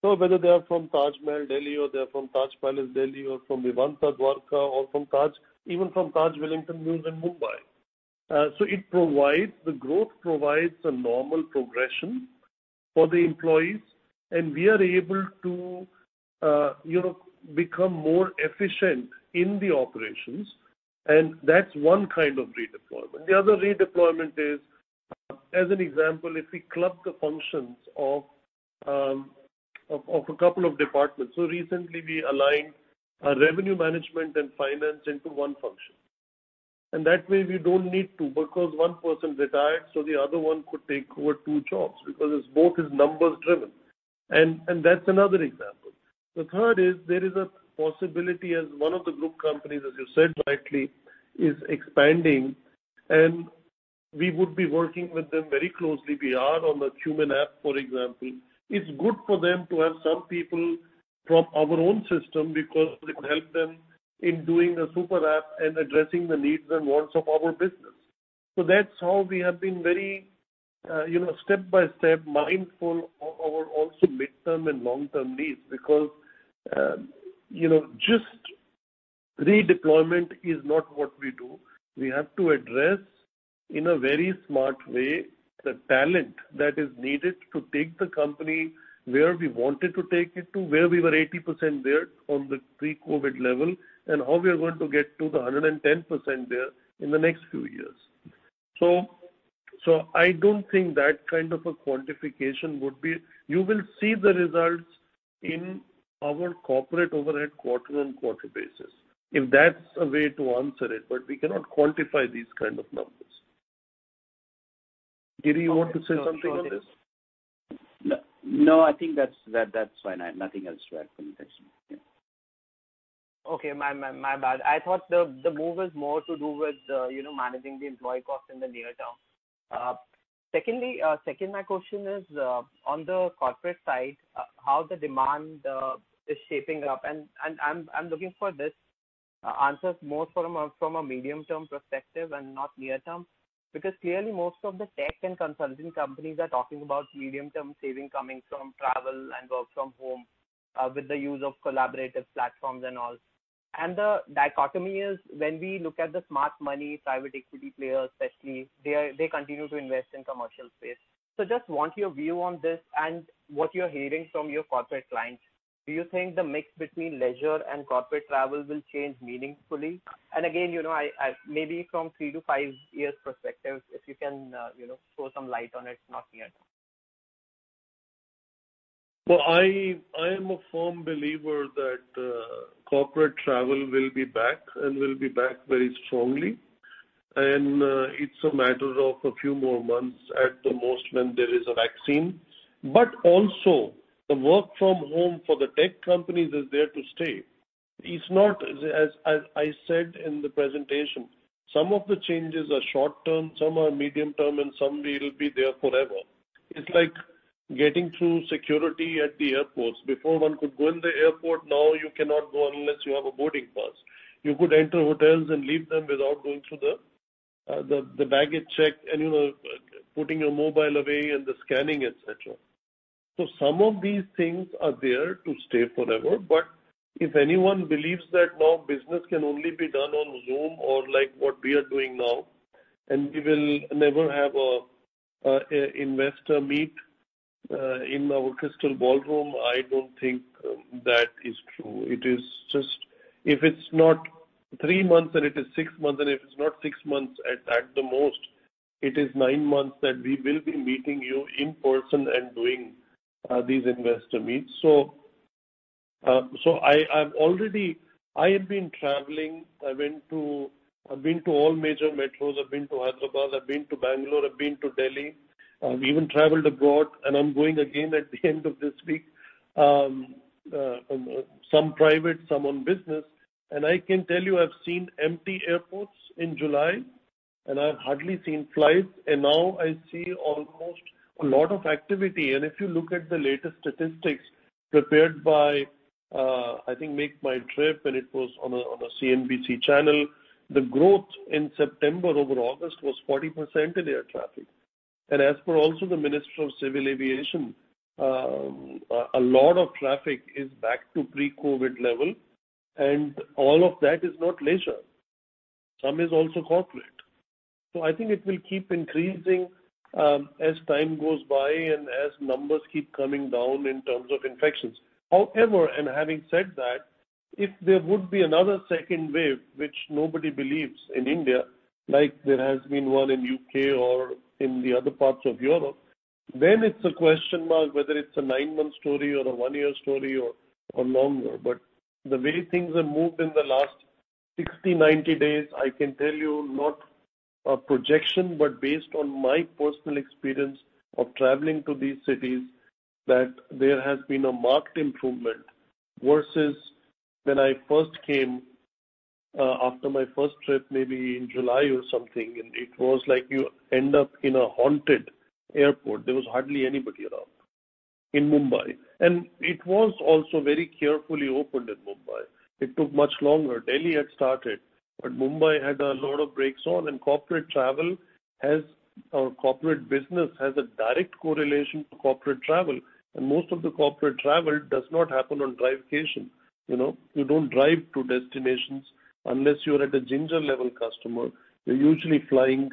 Whether they are from Taj Mahal, New Delhi, or they're from Taj Palace, New Delhi, or from Vivanta New Delhi, Dwarka, or even from Taj Wellington Mews in Mumbai. The growth provides a normal progression for the employees, and we are able to become more efficient in the operations, and that's one kind of redeployment. The other redeployment is, as an example, if we club the functions of a couple of departments. Recently we aligned our revenue management and finance into one function. That way we don't need two because one person retired, so the other one could take over two jobs because both are numbers-driven. That's another example. The third is there is a possibility as one of the group companies, as you said rightly, is expanding, and we would be working with them very closely. We are on the Tata Neu, for example. It's good for them to have some people from our own system because it would help them in doing the super app and addressing the needs and wants of our business. That's how we have been very step-by-step mindful of our also mid-term and long-term needs because just redeployment is not what we do. We have to address in a very smart way the talent that is needed to take the company where we wanted to take it to, where we were 80% there on the pre-COVID level, and how we are going to get to the 110% there in the next few years. I don't think that kind of a quantification. You will see the results in our corporate overhead quarter on quarter basis, if that's a way to answer it, but we cannot quantify these kind of numbers. Giri, you want to say something on this? No, I think that's fine. I have nothing else to add from this. Okay. My bad. I thought the move was more to do with managing the employee cost in the near term. Second, my question is, on the corporate side, how the demand is shaping up, and I'm looking for these answers more from a medium-term perspective and not near term. Clearly most of the tech and consulting companies are talking about medium-term saving coming from travel and work from home with the use of collaborative platforms and all. The dichotomy is when we look at the smart money, private equity players especially, they continue to invest in commercial space. Just want your view on this and what you're hearing from your corporate clients. Do you think the mix between bleisure and corporate travel will change meaningfully? Again, maybe from 3-5 years perspective, if you can throw some light on it, not here. Well, I am a firm believer that corporate travel will be back and will be back very strongly, and it's a matter of a few more months at the most when there is a vaccine. Also the work from home for the tech companies is there to stay. As I said in the presentation, some of the changes are short-term, some are medium-term, and some will be there forever. It's like getting through security at the airports. Before one could go in the airport, now you cannot go unless you have a boarding pass. You could enter hotels and leave them without going through the baggage check and putting your mobile away and the scanning, et cetera. Some of these things are there to stay forever. If anyone believes that now business can only be done on Zoom or like what we are doing now, and we will never have an investor meet in our Crystal Ballroom, I don't think that is true. If it's not three months, then it is six months, and if it's not six months, at the most, it is nine months that we will be meeting you in person and doing these investor meets. I have been traveling. I've been to all major metros. I've been to Hyderabad, I've been to Bangalore, I've been to Delhi. I've even traveled abroad, and I'm going again at the end of this week. Some private, some on business. I can tell you I've seen empty airports in July, and I've hardly seen flights, and now I see almost a lot of activity. And if you look at the latest statistics prepared by, I think, MakeMyTrip, and it was on a CNBC channel, the growth in September over August was 40% in air traffic. As per also the Ministry of Civil Aviation, a lot of traffic is back to pre-COVID level, and all of that is not bleisure. Some is also corporate. I think it will keep increasing as time goes by and as numbers keep coming down in terms of infections. However, and having said that, if there would be another second wave, which nobody believes in India, like there has been one in U.K. or in the other parts of Europe, then it's a question mark whether it's a nine-month story or a one-year story or longer. The way things have moved in the last 60, 90 days, I can tell you, not a projection but based on my personal experience of traveling to these cities, that there has been a marked improvement versus when I first came after my first trip maybe in July or something, and it was like you end up in a haunted airport. There was hardly anybody around in Mumbai. It was also very carefully opened in Mumbai. It took much longer. Delhi had started, but Mumbai had a lot of brakes on, and corporate business has a direct correlation to corporate travel, and most of the corporate travel does not happen on drive-cation. You don't drive to destinations unless you're at a Ginger-level customer. You're usually flying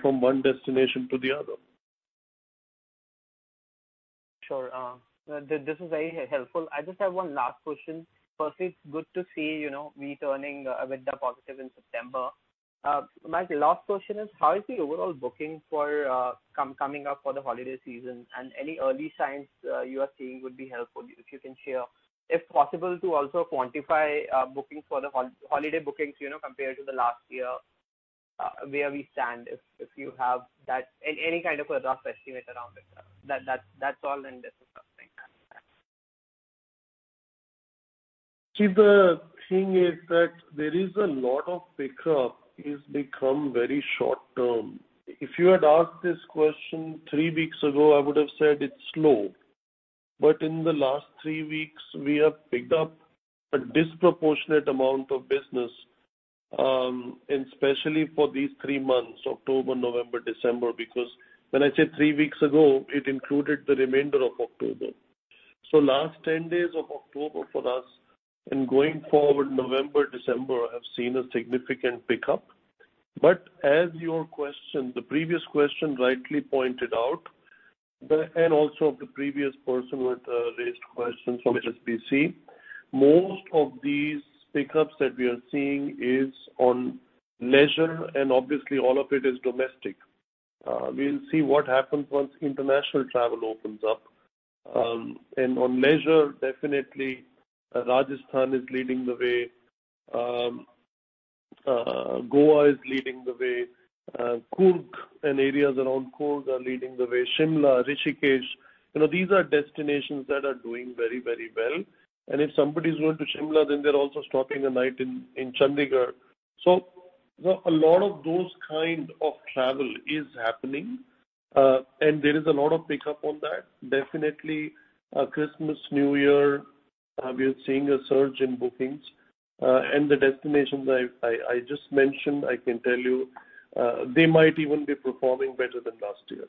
from one destination to the other. Sure. This is very helpful. I just have one last question. Firstly, it's good to see it turning a bit positive in September. My last question is how is the overall booking coming up for the holiday season? Any early signs you are seeing would be helpful, if you can share. If possible, to also quantify holiday bookings compared to the last year, where we stand, if you have any kind of a rough estimate around it. That's all. Vikas, the thing is that there is a lot of pickup is become very short-term. If you had asked this question three weeks ago, I would have said it's slow. In the last three weeks, we have picked up a disproportionate amount of business, and especially for these three months, October, November, December. When I say three weeks ago, it included the remainder of October. Last 10 days of October for us, and going forward, November, December, have seen a significant pickup. But as your question, the previous question rightly pointed out, and also of the previous person who had raised questions from HSBC, most of these pickups that we are seeing is on bleisure, and obviously all of it is domestic. We'll see what happens once international travel opens up. On bleisure, definitely Rajasthan is leading the way. Goa is leading the way. Coorg and areas around Coorg are leading the way. Shimla, Rishikesh, these are destinations that are doing very well. If somebody's going to Shimla, then they're also stopping a night in Chandigarh. A lot of those kind of travel is happening, and there is a lot of pickup on that. Definitely Christmas, New Year, we are seeing a surge in bookings. The destinations I just mentioned, I can tell you, they might even be performing better than last year.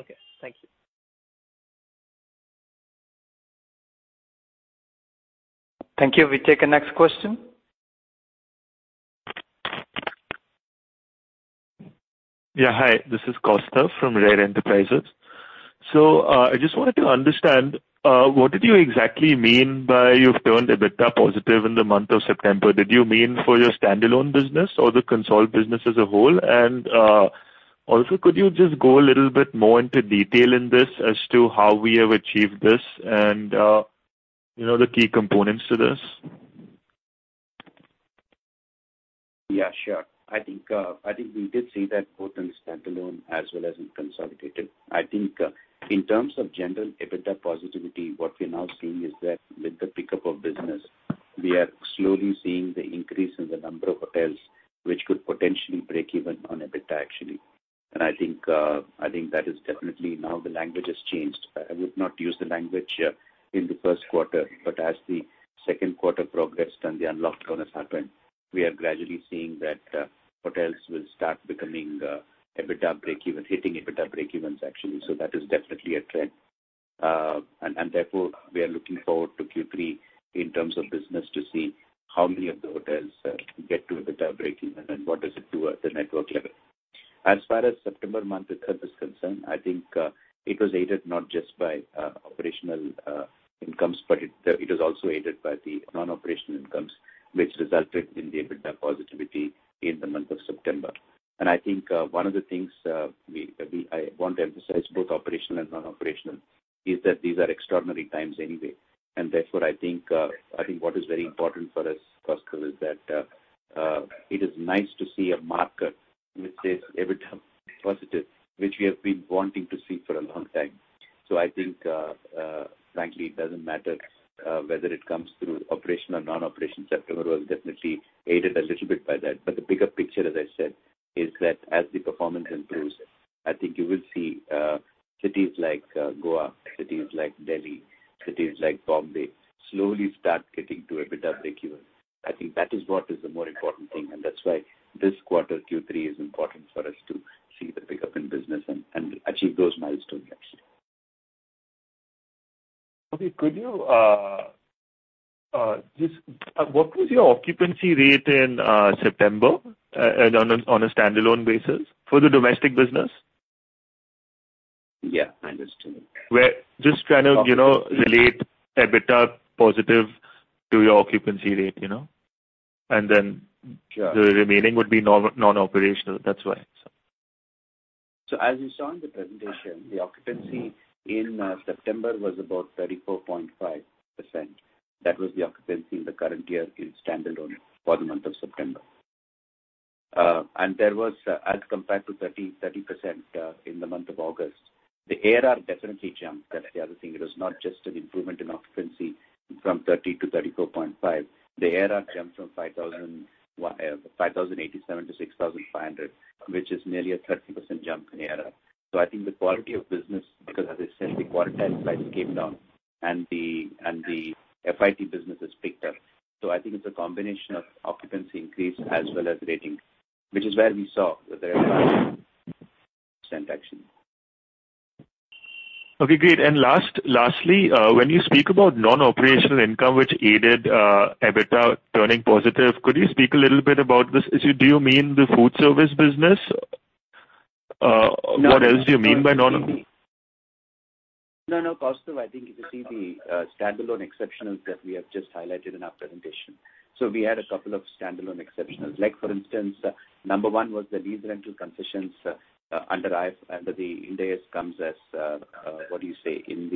Okay. Thank you. Thank you. We take the next question. Yeah. Hi, this is Kaustav from Rare Enterprises. I just wanted to understand, what did you exactly mean by you've turned EBITDA positive in the month of September? Did you mean for your standalone business or the consolidated business as a whole? Also, could you just go a little bit more into detail in this as to how we have achieved this and the key components to this? Yeah, sure. I think we did see that both in standalone as well as in consolidated. I think in terms of general EBITDA positivity, what we're now seeing is that with the pickup of business, we are slowly seeing the increase in the number of hotels, which could potentially break even on EBITDA actually. I think that is definitely now the language has changed. I would not use the language in the first quarter, but as the second quarter progressed and the unlocked lockdown has happened, we are gradually seeing that hotels will start becoming EBITDA breakeven, hitting EBITDA breakevens actually. That is definitely a trend. And therefore, we are looking forward to Q3 in terms of business to see how many of the hotels get to EBITDA breakeven and what does it do at the network level. As far as September month itself is concerned, I think it was aided not just by operational incomes, but it was also aided by the non-operational incomes, which resulted in the EBITDA positivity in the month of September. I think one of the things I want to emphasize, both operational and non-operational, is that these are extraordinary times anyway. Therefore, I think what is very important for us, Kaustav, is that it is nice to see a marker which says EBITDA positive, which we have been wanting to see for a long time. I think, frankly, it doesn't matter whether it comes through operation or non-operation. September was definitely aided a little bit by that. The bigger picture, as I said, is that as the performance improves, I think you will see cities like Goa, cities like Delhi, cities like Bombay slowly start getting to EBITDA breakeven. I think that is what is the more important thing, and that is why this quarter, Q3, is important for us to see the pickup in business and achieve those milestones actually. Okay. What was your occupancy rate in September on a standalone basis for the domestic business? Yeah, I understand. We're just trying to relate EBITDA positive to your occupancy rate. Sure the remaining would be non-operational. That's why. As you saw in the presentation, the occupancy in September was about 34.5%. That was the occupancy in the current year in standalone for the month of September. That was as compared to 30% in the month of August. The ARR definitely jumped. That's the other thing. It was not just an improvement in occupancy from 30%-34.5%. The ARR jumped from 5,087-6,500, which is nearly a 30% jump in the ARR. I think the quality of business, because as I said, the quarantine prices came down and the FIT business has picked up. I think it's a combination of occupancy increase as well as rating, which is where we saw the revenue percent actually. Okay, great. Lastly, when you speak about non-operational income, which aided EBITDA turning positive, could you speak a little bit about this issue? Do you mean the food service business? What else do you mean by non-? No, Kaustav, I think if you see the standalone exceptionals that we have just highlighted in our presentation. We had a couple of standalone exceptionals. Like for instance, number one was the lease rental concessions under the Ind AS comes as, what do you say, in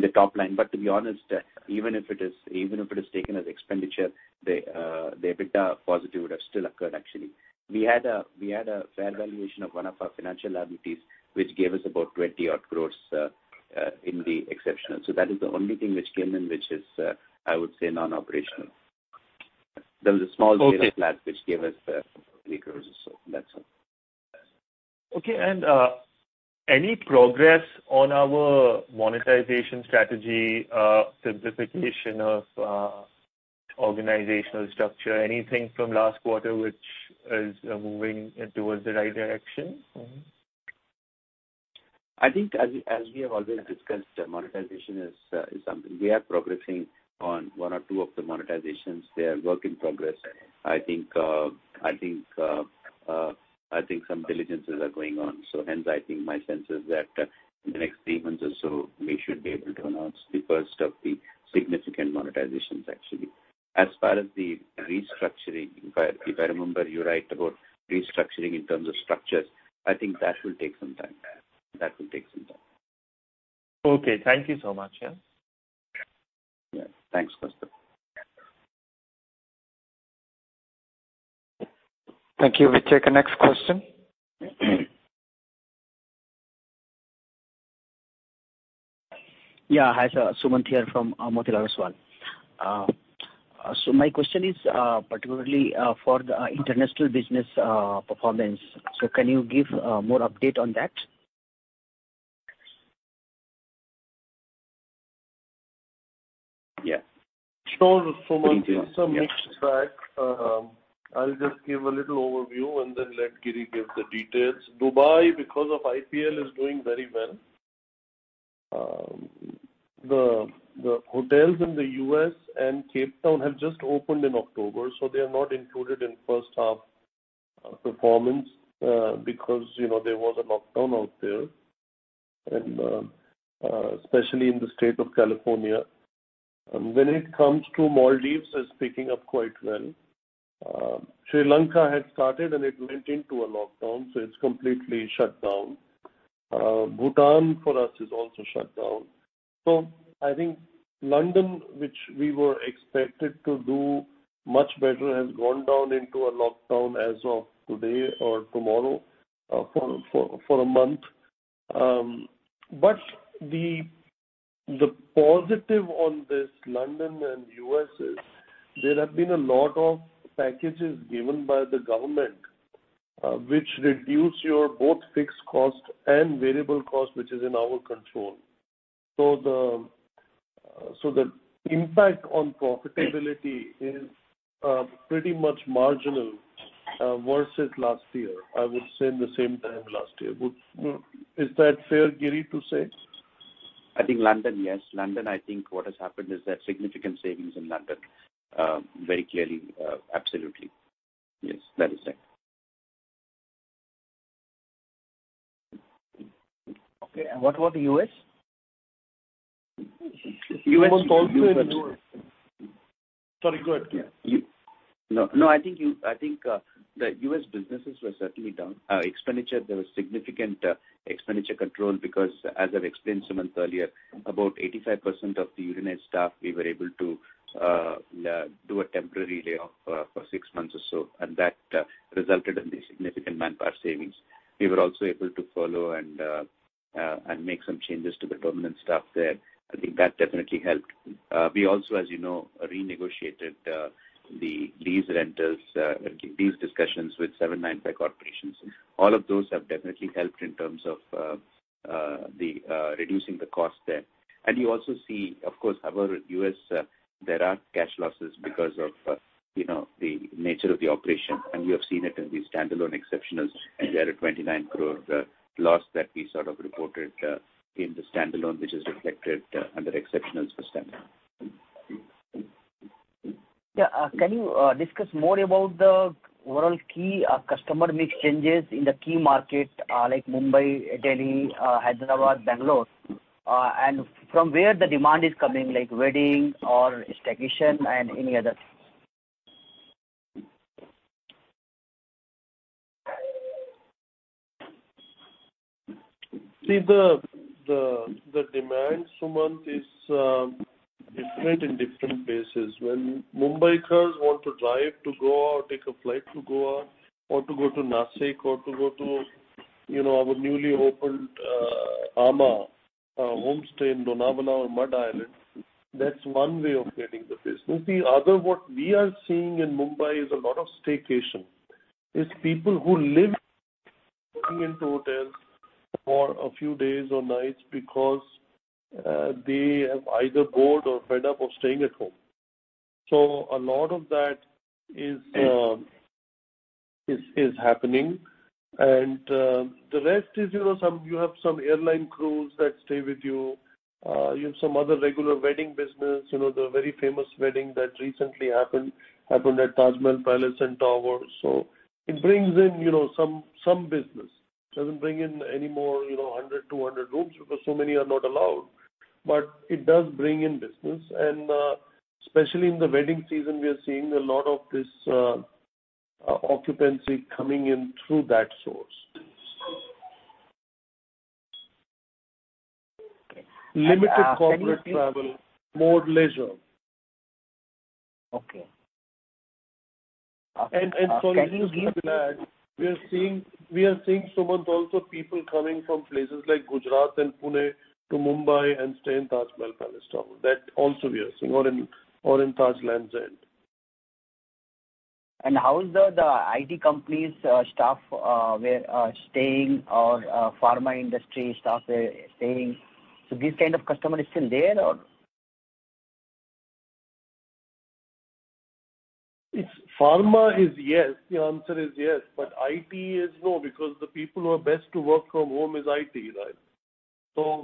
the top line. To be honest, even if it is taken as expenditure, the EBITDA positive would have still occurred actually. We had a fair valuation of one of our financial liabilities, which gave us about 20 odd crores in the exceptional. That is the only thing which came in, which is, I would say, non-operational. There was a small gain on plant which gave us INR 3 crores or so. That's all. Okay. Any progress on our monetization strategy, simplification of organizational structure, anything from last quarter which is moving towards the right direction? I think as we have always discussed, monetization is something we are progressing on one or two of the monetizations. They are work in progress. I think some diligences are going on. Hence, I think my sense is that in the next three months or so, we should be able to announce the first of the significant monetizations actually. As far as the restructuring, if I remember you right, about restructuring in terms of structures, I think that will take some time. Okay. Thank you so much. Yeah. Thanks, Kaustav. Thank you. We take the next question. Yeah. Hi, sir. Sumant here from Motilal Oswal. My question is particularly for the international business performance. Can you give more update on that? Yeah. Sure, Sumant. It's a mixed bag. I'll just give a little overview and then let Giri give the details. Dubai, because of IPL, is doing very well. The hotels in the U.S. and Cape Town have just opened in October, so they are not included in first half performance because there was a lockdown out there, especially in the state of California. When it comes to Maldives, it's picking up quite well. Sri Lanka had started and it went into a lockdown, so it's completely shut down. Bhutan for us is also shut down. I think London, which we were expected to do much better, has gone down into a lockdown as of today or tomorrow for a month. The positive on this London and U.S. is there have been a lot of packages given by the government which reduce your both fixed cost and variable cost, which is in our control. The impact on profitability is pretty much marginal versus last year, I would say in the same time last year. Is that fair, Giri, to say? I think London, yes. London, I think what has happened is there are significant savings in London. Very clearly. Absolutely. Yes, that is right. Okay, what about the U.S.? Sorry, go ahead. I think the US businesses were certainly down. There was significant expenditure control because as I've explained, Sumant, earlier, about 85% of the international staff, we were able to do a temporary layoff for six months or so, that resulted in the significant manpower savings. We were also able to follow and make some changes to the permanent staff there. I think that definitely helped. We also, as you know, renegotiated these discussions with seven [inaudible] corporations. All of those have definitely helped in terms of reducing the cost there. You also see, of course, our U.S., there are cash losses because of the nature of the operation, you have seen it in the standalone exceptionals. There are 29 crores loss that we sort of reported in the standalone, which is reflected under exceptionals this time. Yeah. Can you discuss more about the overall key customer mix changes in the key market like Mumbai, Delhi, Hyderabad, Bangalore? From where the demand is coming, like wedding or staycation and any other things. The demand, Sumant, is different in different places. When Mumbaikars want to drive to Goa or take a flight to Goa or to go to Nashik or to go to our newly opened amã Homestay in Lonavala on Madh Island, that's one way of getting the business. The other, what we are seeing in Mumbai is a lot of staycation. It's people who live coming into hotels for a few days or nights because they have either bored or fed up of staying at home. A lot of that is happening. The rest is you have some airline crews that stay with you have some other regular wedding business. The very famous wedding that recently happened at Taj Mahal Palace and Tower. It brings in some business. It doesn't bring in any more, 100, 200 rooms because so many are not allowed. It does bring in business, and especially in the wedding season, we are seeing a lot of this occupancy coming in through that source. Okay. Limited corporate travel, more bleisure. Okay. Sorry we are seeing, Sumant, also people coming from places like Gujarat and Pune to Mumbai and stay in Taj Mahal Palace Tower. That also we are seeing. They also stay in Taj Lands End. How is the IT company staff staying, or pharma industry staff staying? This kind of customer is still there or? Pharma is yes. The answer is yes. But IT is no because the people who are best to work from home is IT, right?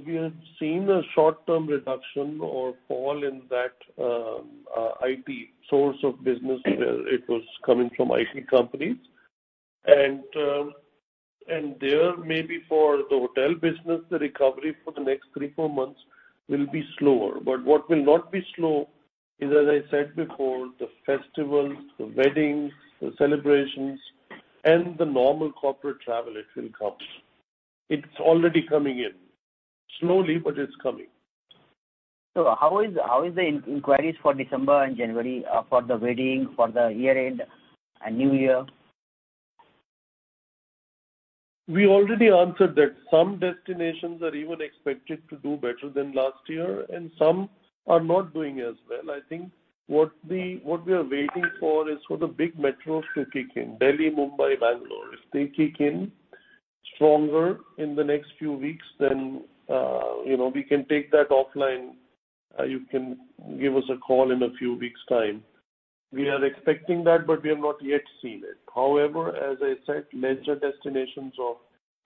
We have seen a short-term reduction or fall in that IT source of business where it was coming from IT companies. There may be for the hotel business, the recovery for the next three, four months will be slower. What will not be slow is, as I said before, the festivals, the weddings, the celebrations and the normal corporate travel, it will come. It's already coming in. Slowly, but it's coming. How is the inquiries for December and January for the wedding, for the year-end and New Year? We already answered that some destinations are even expected to do better than last year, and some are not doing as well. I think what we are waiting for is for the big metros to kick in. Delhi, Mumbai, Bangalore. If they kick in stronger in the next few weeks, we can take that offline. You can give us a call in a few weeks' time. We are expecting that, but we have not yet seen it. As I said, leisure destinations of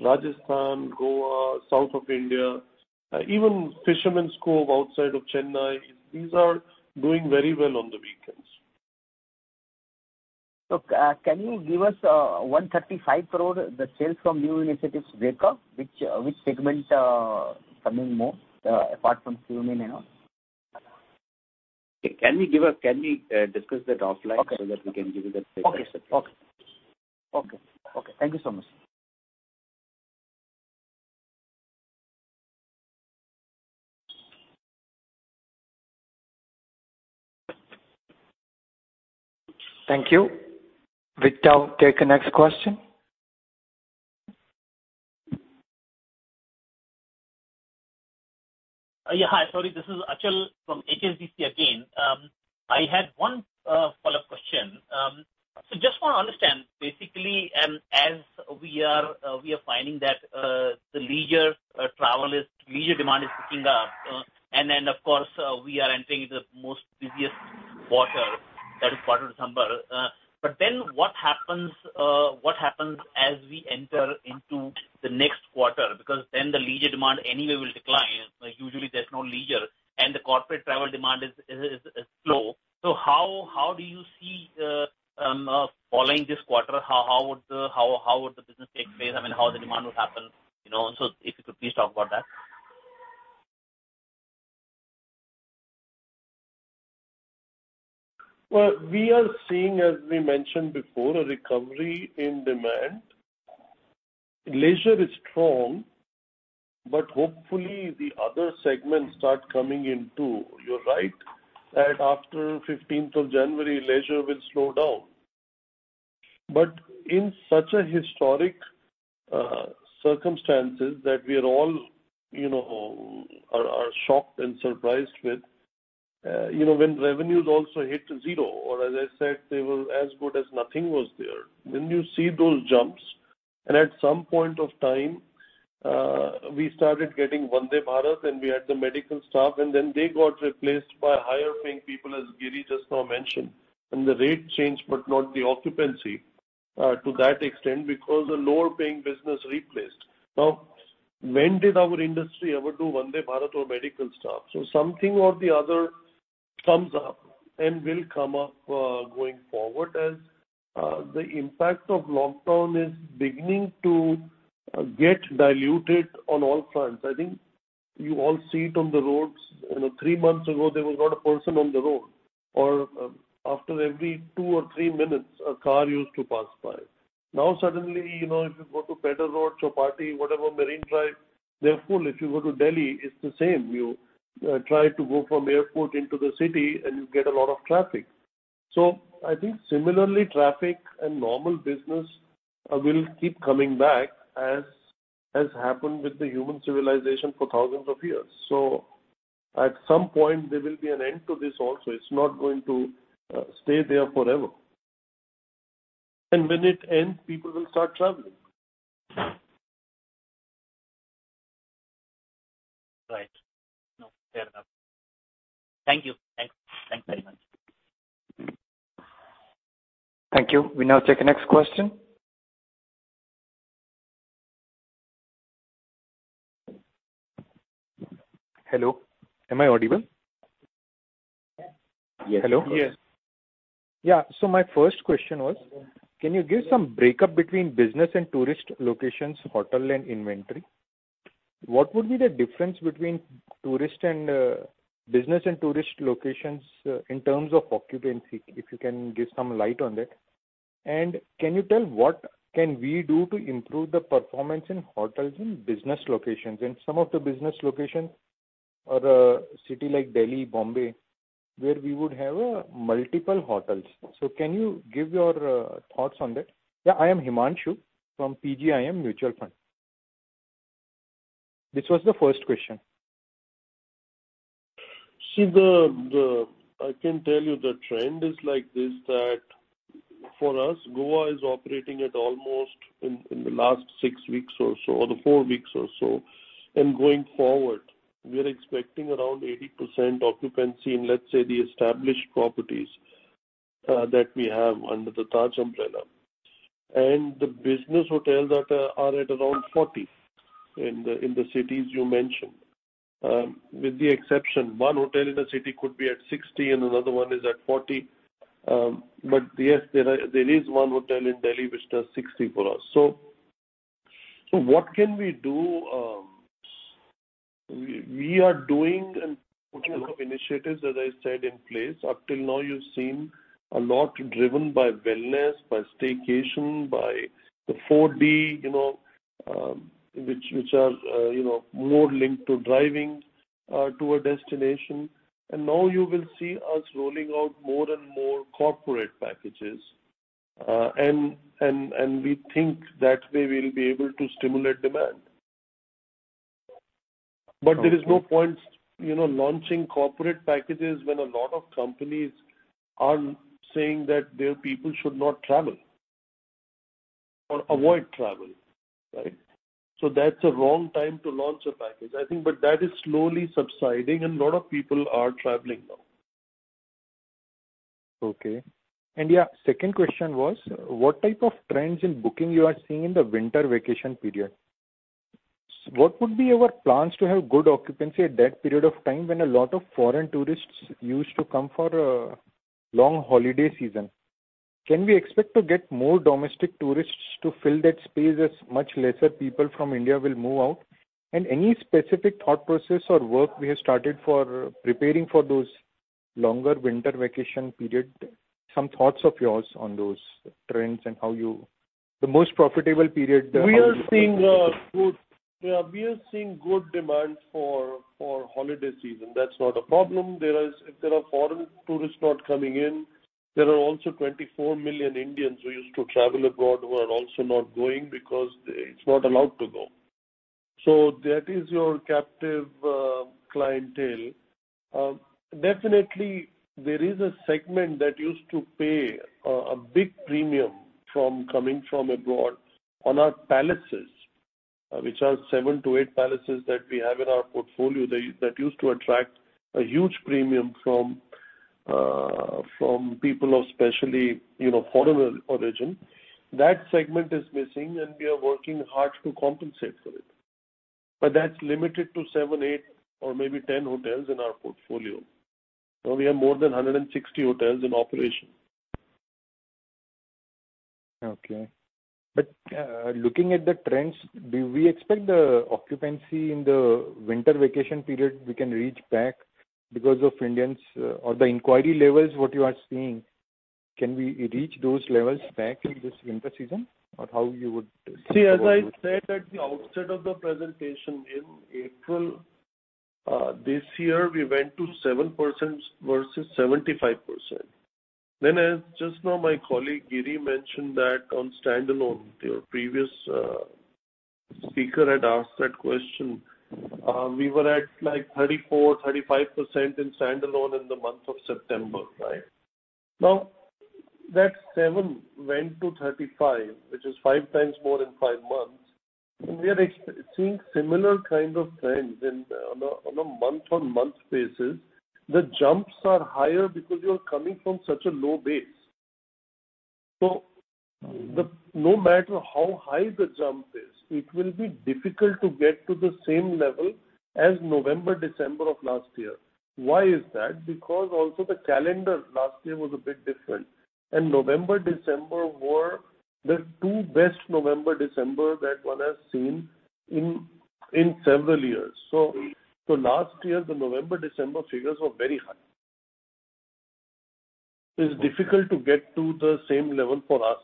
Rajasthan, Goa, south of India, even Fisherman's Cove outside of Chennai, these are doing very well on the weekends. Look, can you give us a 135 crores, the sales from new initiatives breakup, which segment is coming more, apart from Qmin and all? Can we discuss that offline? Okay. That we can give you the figures? Okay. Thank you so much. Thank you. Victor, take the next question. Hi, sorry. This is Achal from HSBC again. I had one follow-up question. Just want to understand, basically, as we are finding that the leisure demand is picking up, and then of course, we are entering the most busiest quarter, that is quarter December. What happens as we enter into the next quarter? Because then the leisure demand anyway will decline. Usually there's no leisure, and the corporate travel demand is low. How do you see, following this quarter, how would the business take place? I mean, how the demand would happen? If you could please talk about that. Well, we are seeing, as we mentioned before, a recovery in demand. Leisure is strong, but hopefully the other segments start coming in too. You're right that after 15th of January, leisure will slow down. In such a historic circumstances that we are all shocked and surprised with, when revenues also hit zero, or as I said, they were as good as nothing was there. You see those jumps, and at some point of time, we started getting Vande Bharat and we had the medical staff, and then they got replaced by higher-paying people, as Giri just now mentioned. The rate changed but not the occupancy to that extent because the lower-paying business replaced. Now, when did our industry ever do Vande Bharat or medical staff? Something or the other comes up and will come up going forward as the impact of lockdown is beginning to get diluted on all fronts. I think you all see it on the roads. Three months ago, there was not a person on the road, or after every two or three minutes a car used to pass by. Now suddenly, if you go to Peddar Road, Chowpatty, whatever Marine Drive, they are full. If you go to Delhi, it's the same. You try to go from airport into the city and you get a lot of traffic. I think similarly, traffic and normal business will keep coming back as has happened with the human civilization for thousands of years. At some point there will be an end to this also. It's not going to stay there forever. When it ends, people will start traveling. Right. No, fair enough. Thank you. Thanks very much. Thank you. We now take the next question. Hello, am I audible? Yes. Hello? Yes. Yeah. My first question was, can you give some breakup between business and tourist locations, hotel and inventory? What would be the difference between business and tourist locations in terms of occupancy, if you can give some light on that? Can you tell what can we do to improve the performance in hotels in business locations? In some of the business locations or a city like Delhi, Bombay, where we would have multiple hotels. Can you give your thoughts on that? Yeah, I am Himanshu from PGIM Mutual Fund. This was the first question. I can tell you the trend is like this, that for us, Goa is operating at almost in the last six weeks or so, or the four weeks or so. Going forward, we are expecting around 80% occupancy in, let's say, the established properties that we have under the Taj umbrella. The business hotels that are at around 40% in the cities you mentioned. With the exception, one hotel in a city could be at 60% and another one is at 40%. Yes, there is one hotel in Delhi which does 60% for us. What can we do? We are doing and putting a lot of initiatives, as I said, in place. Up till now you've seen a lot driven by wellness, by staycation, by the 4D, which are more linked to driving to a destination. Now you will see us rolling out more and more corporate packages. We think that way we'll be able to stimulate demand. There is no point launching corporate packages when a lot of companies are saying that their people should not travel or avoid travel. That's a wrong time to launch a package, I think. That is slowly subsiding, and a lot of people are traveling now. Okay. Yeah, second question was, what type of trends in booking you are seeing in the winter vacation period? What would be your plans to have good occupancy at that period of time when a lot of foreign tourists used to come for a long holiday season? Can we expect to get more domestic tourists to fill that space as much lesser people from India will move out? Any specific thought process or work we have started for preparing for those longer winter vacation period? Some thoughts of yours on those trends and the most profitable period. We are seeing good demand for holiday season. That's not a problem. If there are foreign tourists not coming in, there are also 24 million Indians who used to travel abroad who are also not going because it's not allowed to go. That is your captive clientele. Definitely, there is a segment that used to pay a big premium from coming from abroad on our palaces, which are 7-8 palaces that we have in our portfolio that used to attract a huge premium from people, especially foreign origin. That segment is missing, and we are working hard to compensate for it. That's limited to seven, eight or maybe 10 hotels in our portfolio. We have more than 160 hotels in operation. Okay. Looking at the trends, do we expect the occupancy in the winter vacation period, we can reach back because of Indians, or the inquiry levels, what you are seeing, can we reach those levels back in this winter season? As I said at the outset of the presentation, in April this year, we went to 7% versus 75%. As just now my colleague Giri mentioned that on standalone, your previous speaker had asked that question. We were at like 34%, 35% in standalone in the month of September. That seven went to 35, which is 5x more in five months. We are seeing similar kind of trends on a month-on-month basis. The jumps are higher because you're coming from such a low base. No matter how high the jump is, it will be difficult to get to the same level as November, December of last year. Why is that? Also the calendar last year was a bit different, and November, December were the two best November, December that one has seen in several years. Last year, the November, December figures were very high. It is difficult to get to the same level for us.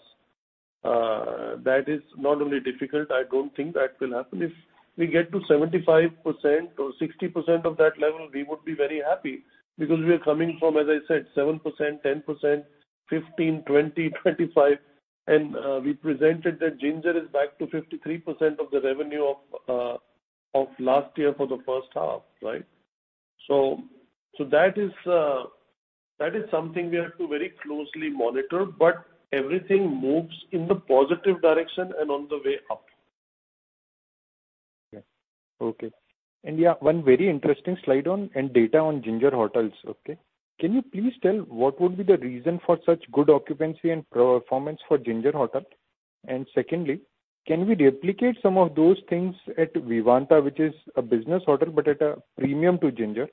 That is not only difficult, I don't think that will happen. If we get to 75% or 60% of that level, we would be very happy because we are coming from, as I said, 7%, 10%, 15, 20, 25, and we presented that Ginger is back to 53% of the revenue of last year for the first half. That is something we have to very closely monitor, but everything moves in the positive direction and on the way up. Yeah. Okay. Yeah, one very interesting slide on and data on Ginger Hotels. Can you please tell what would be the reason for such good occupancy and performance for Ginger Hotel? Secondly, can we replicate some of those things at Vivanta, which is a business hotel but at a premium to Ginger?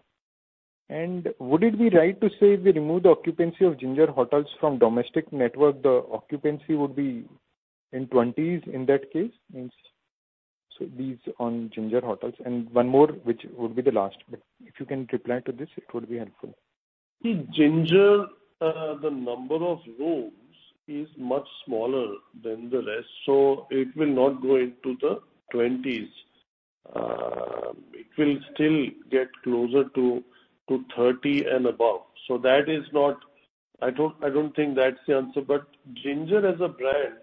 Would it be right to say if we remove the occupancy of Ginger Hotels from domestic network, the occupancy would be in 20s in that case? These on Ginger Hotels. One more, which would be the last. If you can reply to this, it would be helpful. Ginger, the number of rooms is much smaller than the rest, so it will not go into the 20s. It will still get closer to 30 and above. I don't think that's the answer. Ginger as a brand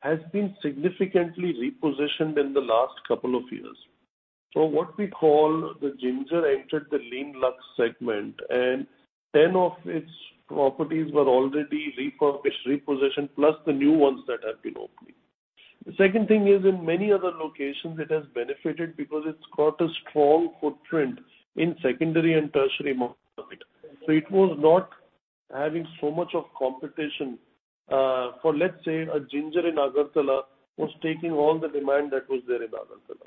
has been significantly repositioned in the last couple of years. What we call the Ginger entered the lean luxe segment, and 10 of its properties were already refurbished, repositioned, plus the new ones that have been opening. The second thing is in many other locations, it has benefited because it's got a strong footprint in secondary and tertiary markets. It was not having so much of competition for, let's say, a Ginger in Agartala was taking all the demand that was there in Agartala.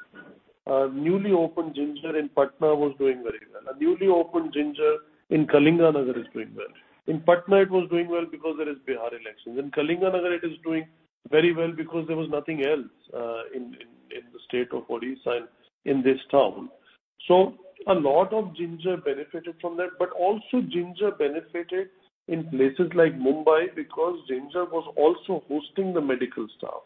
A newly opened Ginger in Patna was doing very well. A newly opened Ginger in Kalinganagar is doing well. In Patna, it was doing well because there is Bihar elections. In Kalinganagar, it is doing very well because there was nothing else in the state of Odisha in this town. A lot of Ginger benefited from that, but also Ginger benefited in places like Mumbai because Ginger was also hosting the medical staff.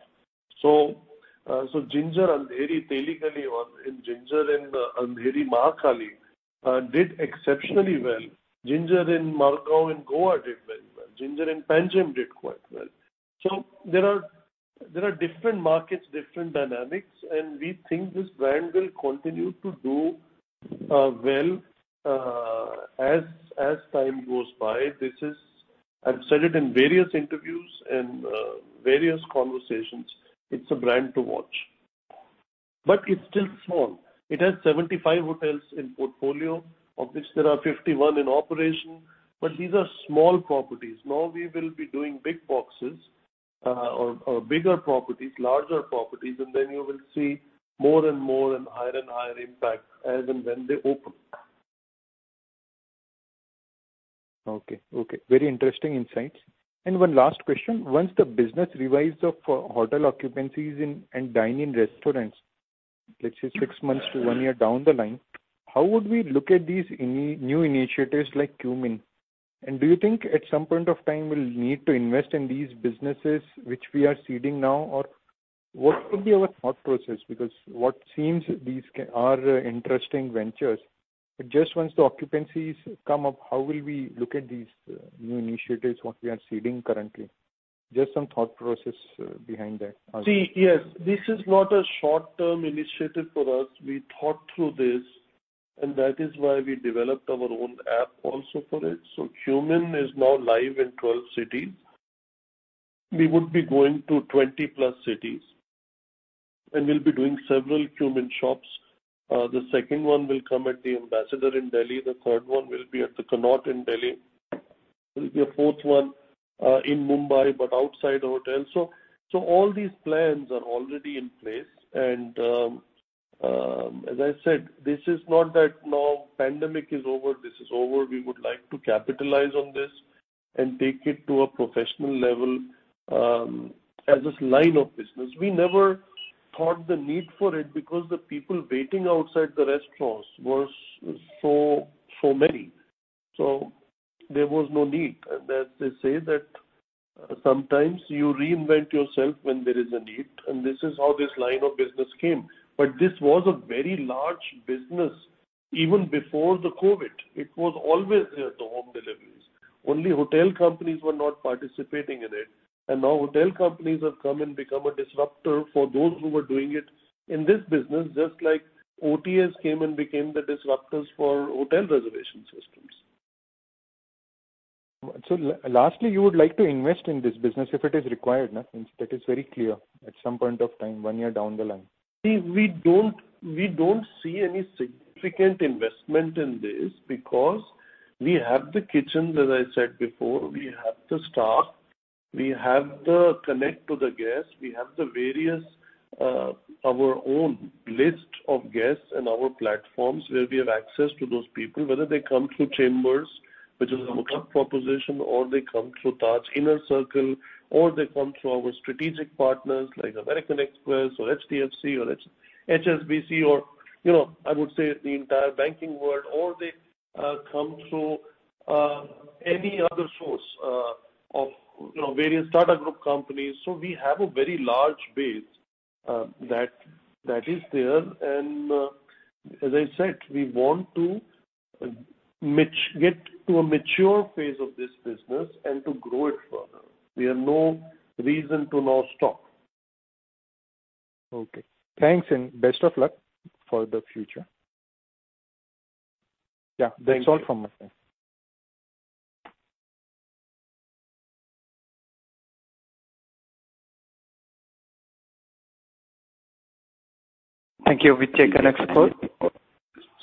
Ginger Andheri, Teli Galli, or Ginger in Andheri Mahakali did exceptionally well. Ginger in Margao in Goa did very well. Ginger in Panjim did quite well. There are different markets, different dynamics, and we think this brand will continue to do well. As time goes by, I've said it in various interviews and various conversations, it's a brand to watch. It's still small. It has 75 hotels in portfolio, of which there are 51 in operation, but these are small properties. Now we will be doing big boxes or bigger properties, larger properties, and then you will see more and more and higher and higher impact as and when they open. Okay. Very interesting insights. One last question. Once the business revives of hotel occupancies and dine-in restaurants, let's say six months to one year down the line, how would we look at these new initiatives like Qmin? Do you think at some point of time we'll need to invest in these businesses which we are seeding now? What could be our thought process? What seems these are interesting ventures, but just once the occupancies come up, how will we look at these new initiatives, what we are seeding currently? Just some thought process behind that. See, yes, this is not a short-term initiative for us. We thought through this, and that is why we developed our own app also for it. Qmin is now live in 12 cities. We would be going to 20+ cities, and we'll be doing several Qmin shops. The second one will come at the Ambassador in Delhi. The third one will be at The Connaught in Delhi. There will be a fourth one in Mumbai, but outside hotel. All these plans are already in place. As I said, this is not that now pandemic is over, this is over. We would like to capitalize on this and take it to a professional level as a line of business. We never thought the need for it because the people waiting outside the restaurants was so many. There was no need. They say that sometimes you reinvent yourself when there is a need, and this is how this line of business came. This was a very large business even before the COVID. It was always there, the home deliveries. Only hotel companies were not participating in it. Now hotel companies have come and become a disruptor for those who were doing it in this business, just like OTAs came and became the disruptors for hotel reservation systems. Lastly, you would like to invest in this business if it is required. That is very clear. At some point of time, one year down the line. We don't see any significant investment in this because we have the kitchens, as I said before. We have the staff. We have the connect to the guests. We have our own list of guests and our platforms where we have access to those people, whether they come through The Chambers, which is our club proposition, or they come through Taj InnerCircle, or they come through our strategic partners like American Express or HDFC or HSBC or I would say the entire banking world. Or they come through any other source of various Tata Group companies. We have a very large base that is there. As I said, we want to get to a mature phase of this business and to grow it further. We have no reason to now stop. Okay. Thanks and best of luck for the future. Yeah. Thank you. That's all from my side. Thank you. We take our next call.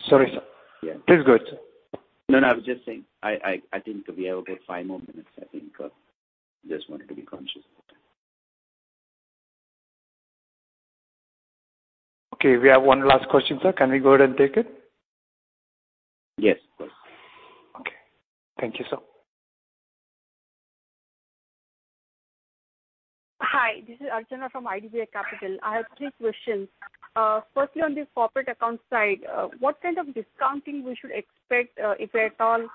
Sorry, sir. Yeah. Please go ahead, sir. No, I was just saying, I think we have five more minutes, I think. Just wanted to be conscious of time. Okay, we have one last question, sir. Can we go ahead and take it? Yes, of course. Okay. Thank you, sir. Hi, this is Archana from IDBI Capital. I have three questions. Firstly, on the corporate account side, what kind of discounting we should expect, if at all,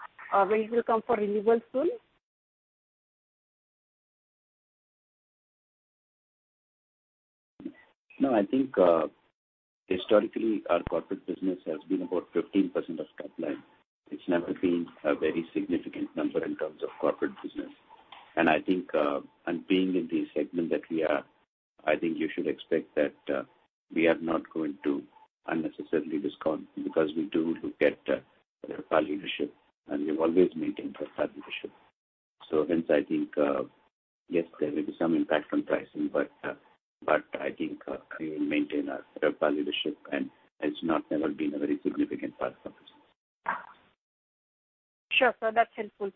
when it will come for renewal soon? No, I think historically our corporate business has been about 15% of top line. It's never been a very significant number in terms of corporate business. I think, and being in the segment that we are, I think you should expect that we are not going to unnecessarily discount because we do look at RevPAR leadership and we've always maintained RevPAR leadership. Hence, I think, yes, there will be some impact on pricing, but I think we will maintain our RevPAR leadership, and it's not ever been a very significant part of the business. Sure, sir. That's helpful.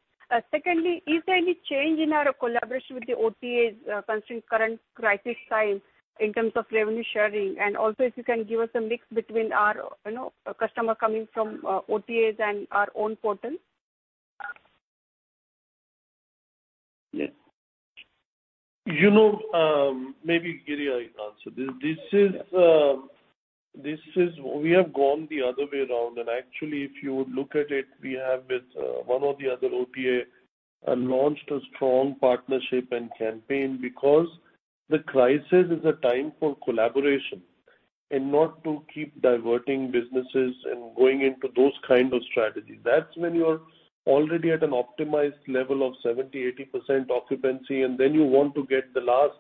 Secondly, is there any change in our collaboration with the OTAs concerning current crisis time in terms of revenue sharing? Also if you can give us a mix between our customer coming from OTAs and our own portal? Yes. Maybe Giri will answer this. We have gone the other way around and actually if you would look at it, we have with one or the other OTA launched a strong partnership and campaign because the crisis is a time for collaboration and not to keep diverting businesses and going into those kind of strategies. That's when you are already at an optimized level of 70%-80% occupancy, and then you want to get the last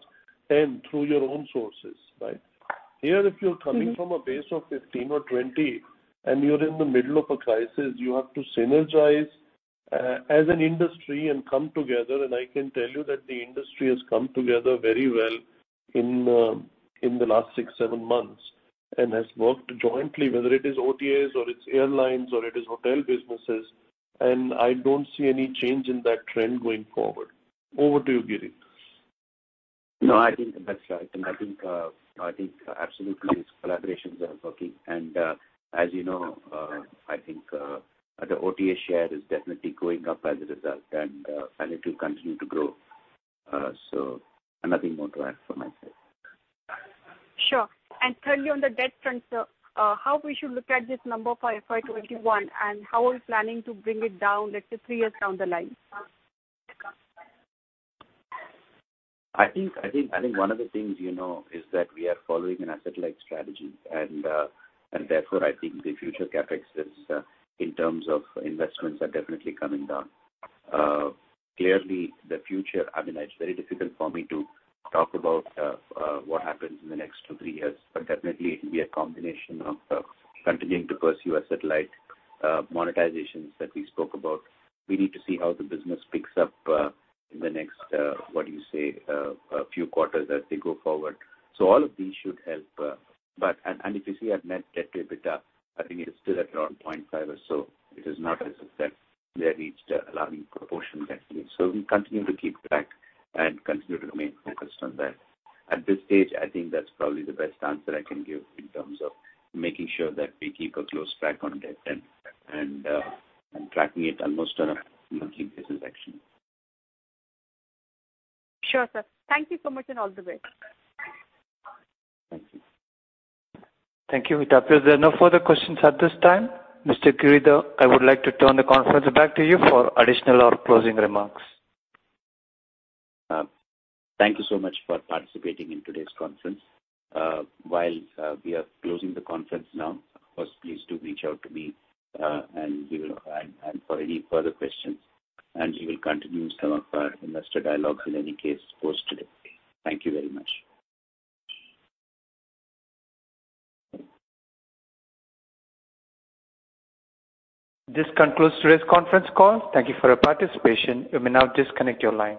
10 through your own sources, right? Here, if you're coming from a base of 15 or 20 and you're in the middle of a crisis, you have to synergize as an industry and come together. And I can tell you that the industry has come together very well in the last six, seven months and has worked jointly, whether it is OTAs or it's airlines or it is hotel businesses, and I don't see any change in that trend going forward. Over to you, Giri. No, I think that's right. I think absolutely these collaborations are working. As you know, I think the OTA share is definitely going up as a result, and it will continue to grow. Nothing more to add from my side. Sure. Thirdly, on the debt front, sir, how we should look at this number for FY 2021, and how are you planning to bring it down, let's say, three years down the line? I think one of the things you know is that we are following an asset-light strategy. Therefore, I think the future CapEx in terms of investments are definitely coming down. Clearly, the future, it's very difficult for me to talk about what happens in the next two, three years, but definitely it will be a combination of continuing to pursue asset-light monetizations that we spoke about. We need to see how the business picks up in the next, what do you say, few quarters as we go forward. All of these should help. If you see our net debt to EBITDA, I think it is still at around 0.5 or so. It is not as if that we have reached alarming proportions, actually. We continue to keep track and continue to remain focused on that. At this stage, I think that's probably the best answer I can give in terms of making sure that we keep a close track on debt and tracking it almost on a monthly basis, actually. Sure, sir. Thank you so much and all the best. Thank you. It appears there are no further questions at this time. Mr. Giridhar, I would like to turn the conference back to you for additional or closing remarks. Thank you so much for participating in today's conference. While we are closing the conference now, of course, please do reach out to me for any further questions, and we will continue some of our investor dialogues in any case post today. Thank you very much. This concludes today's conference call. Thank you for your participation. You may now disconnect your line.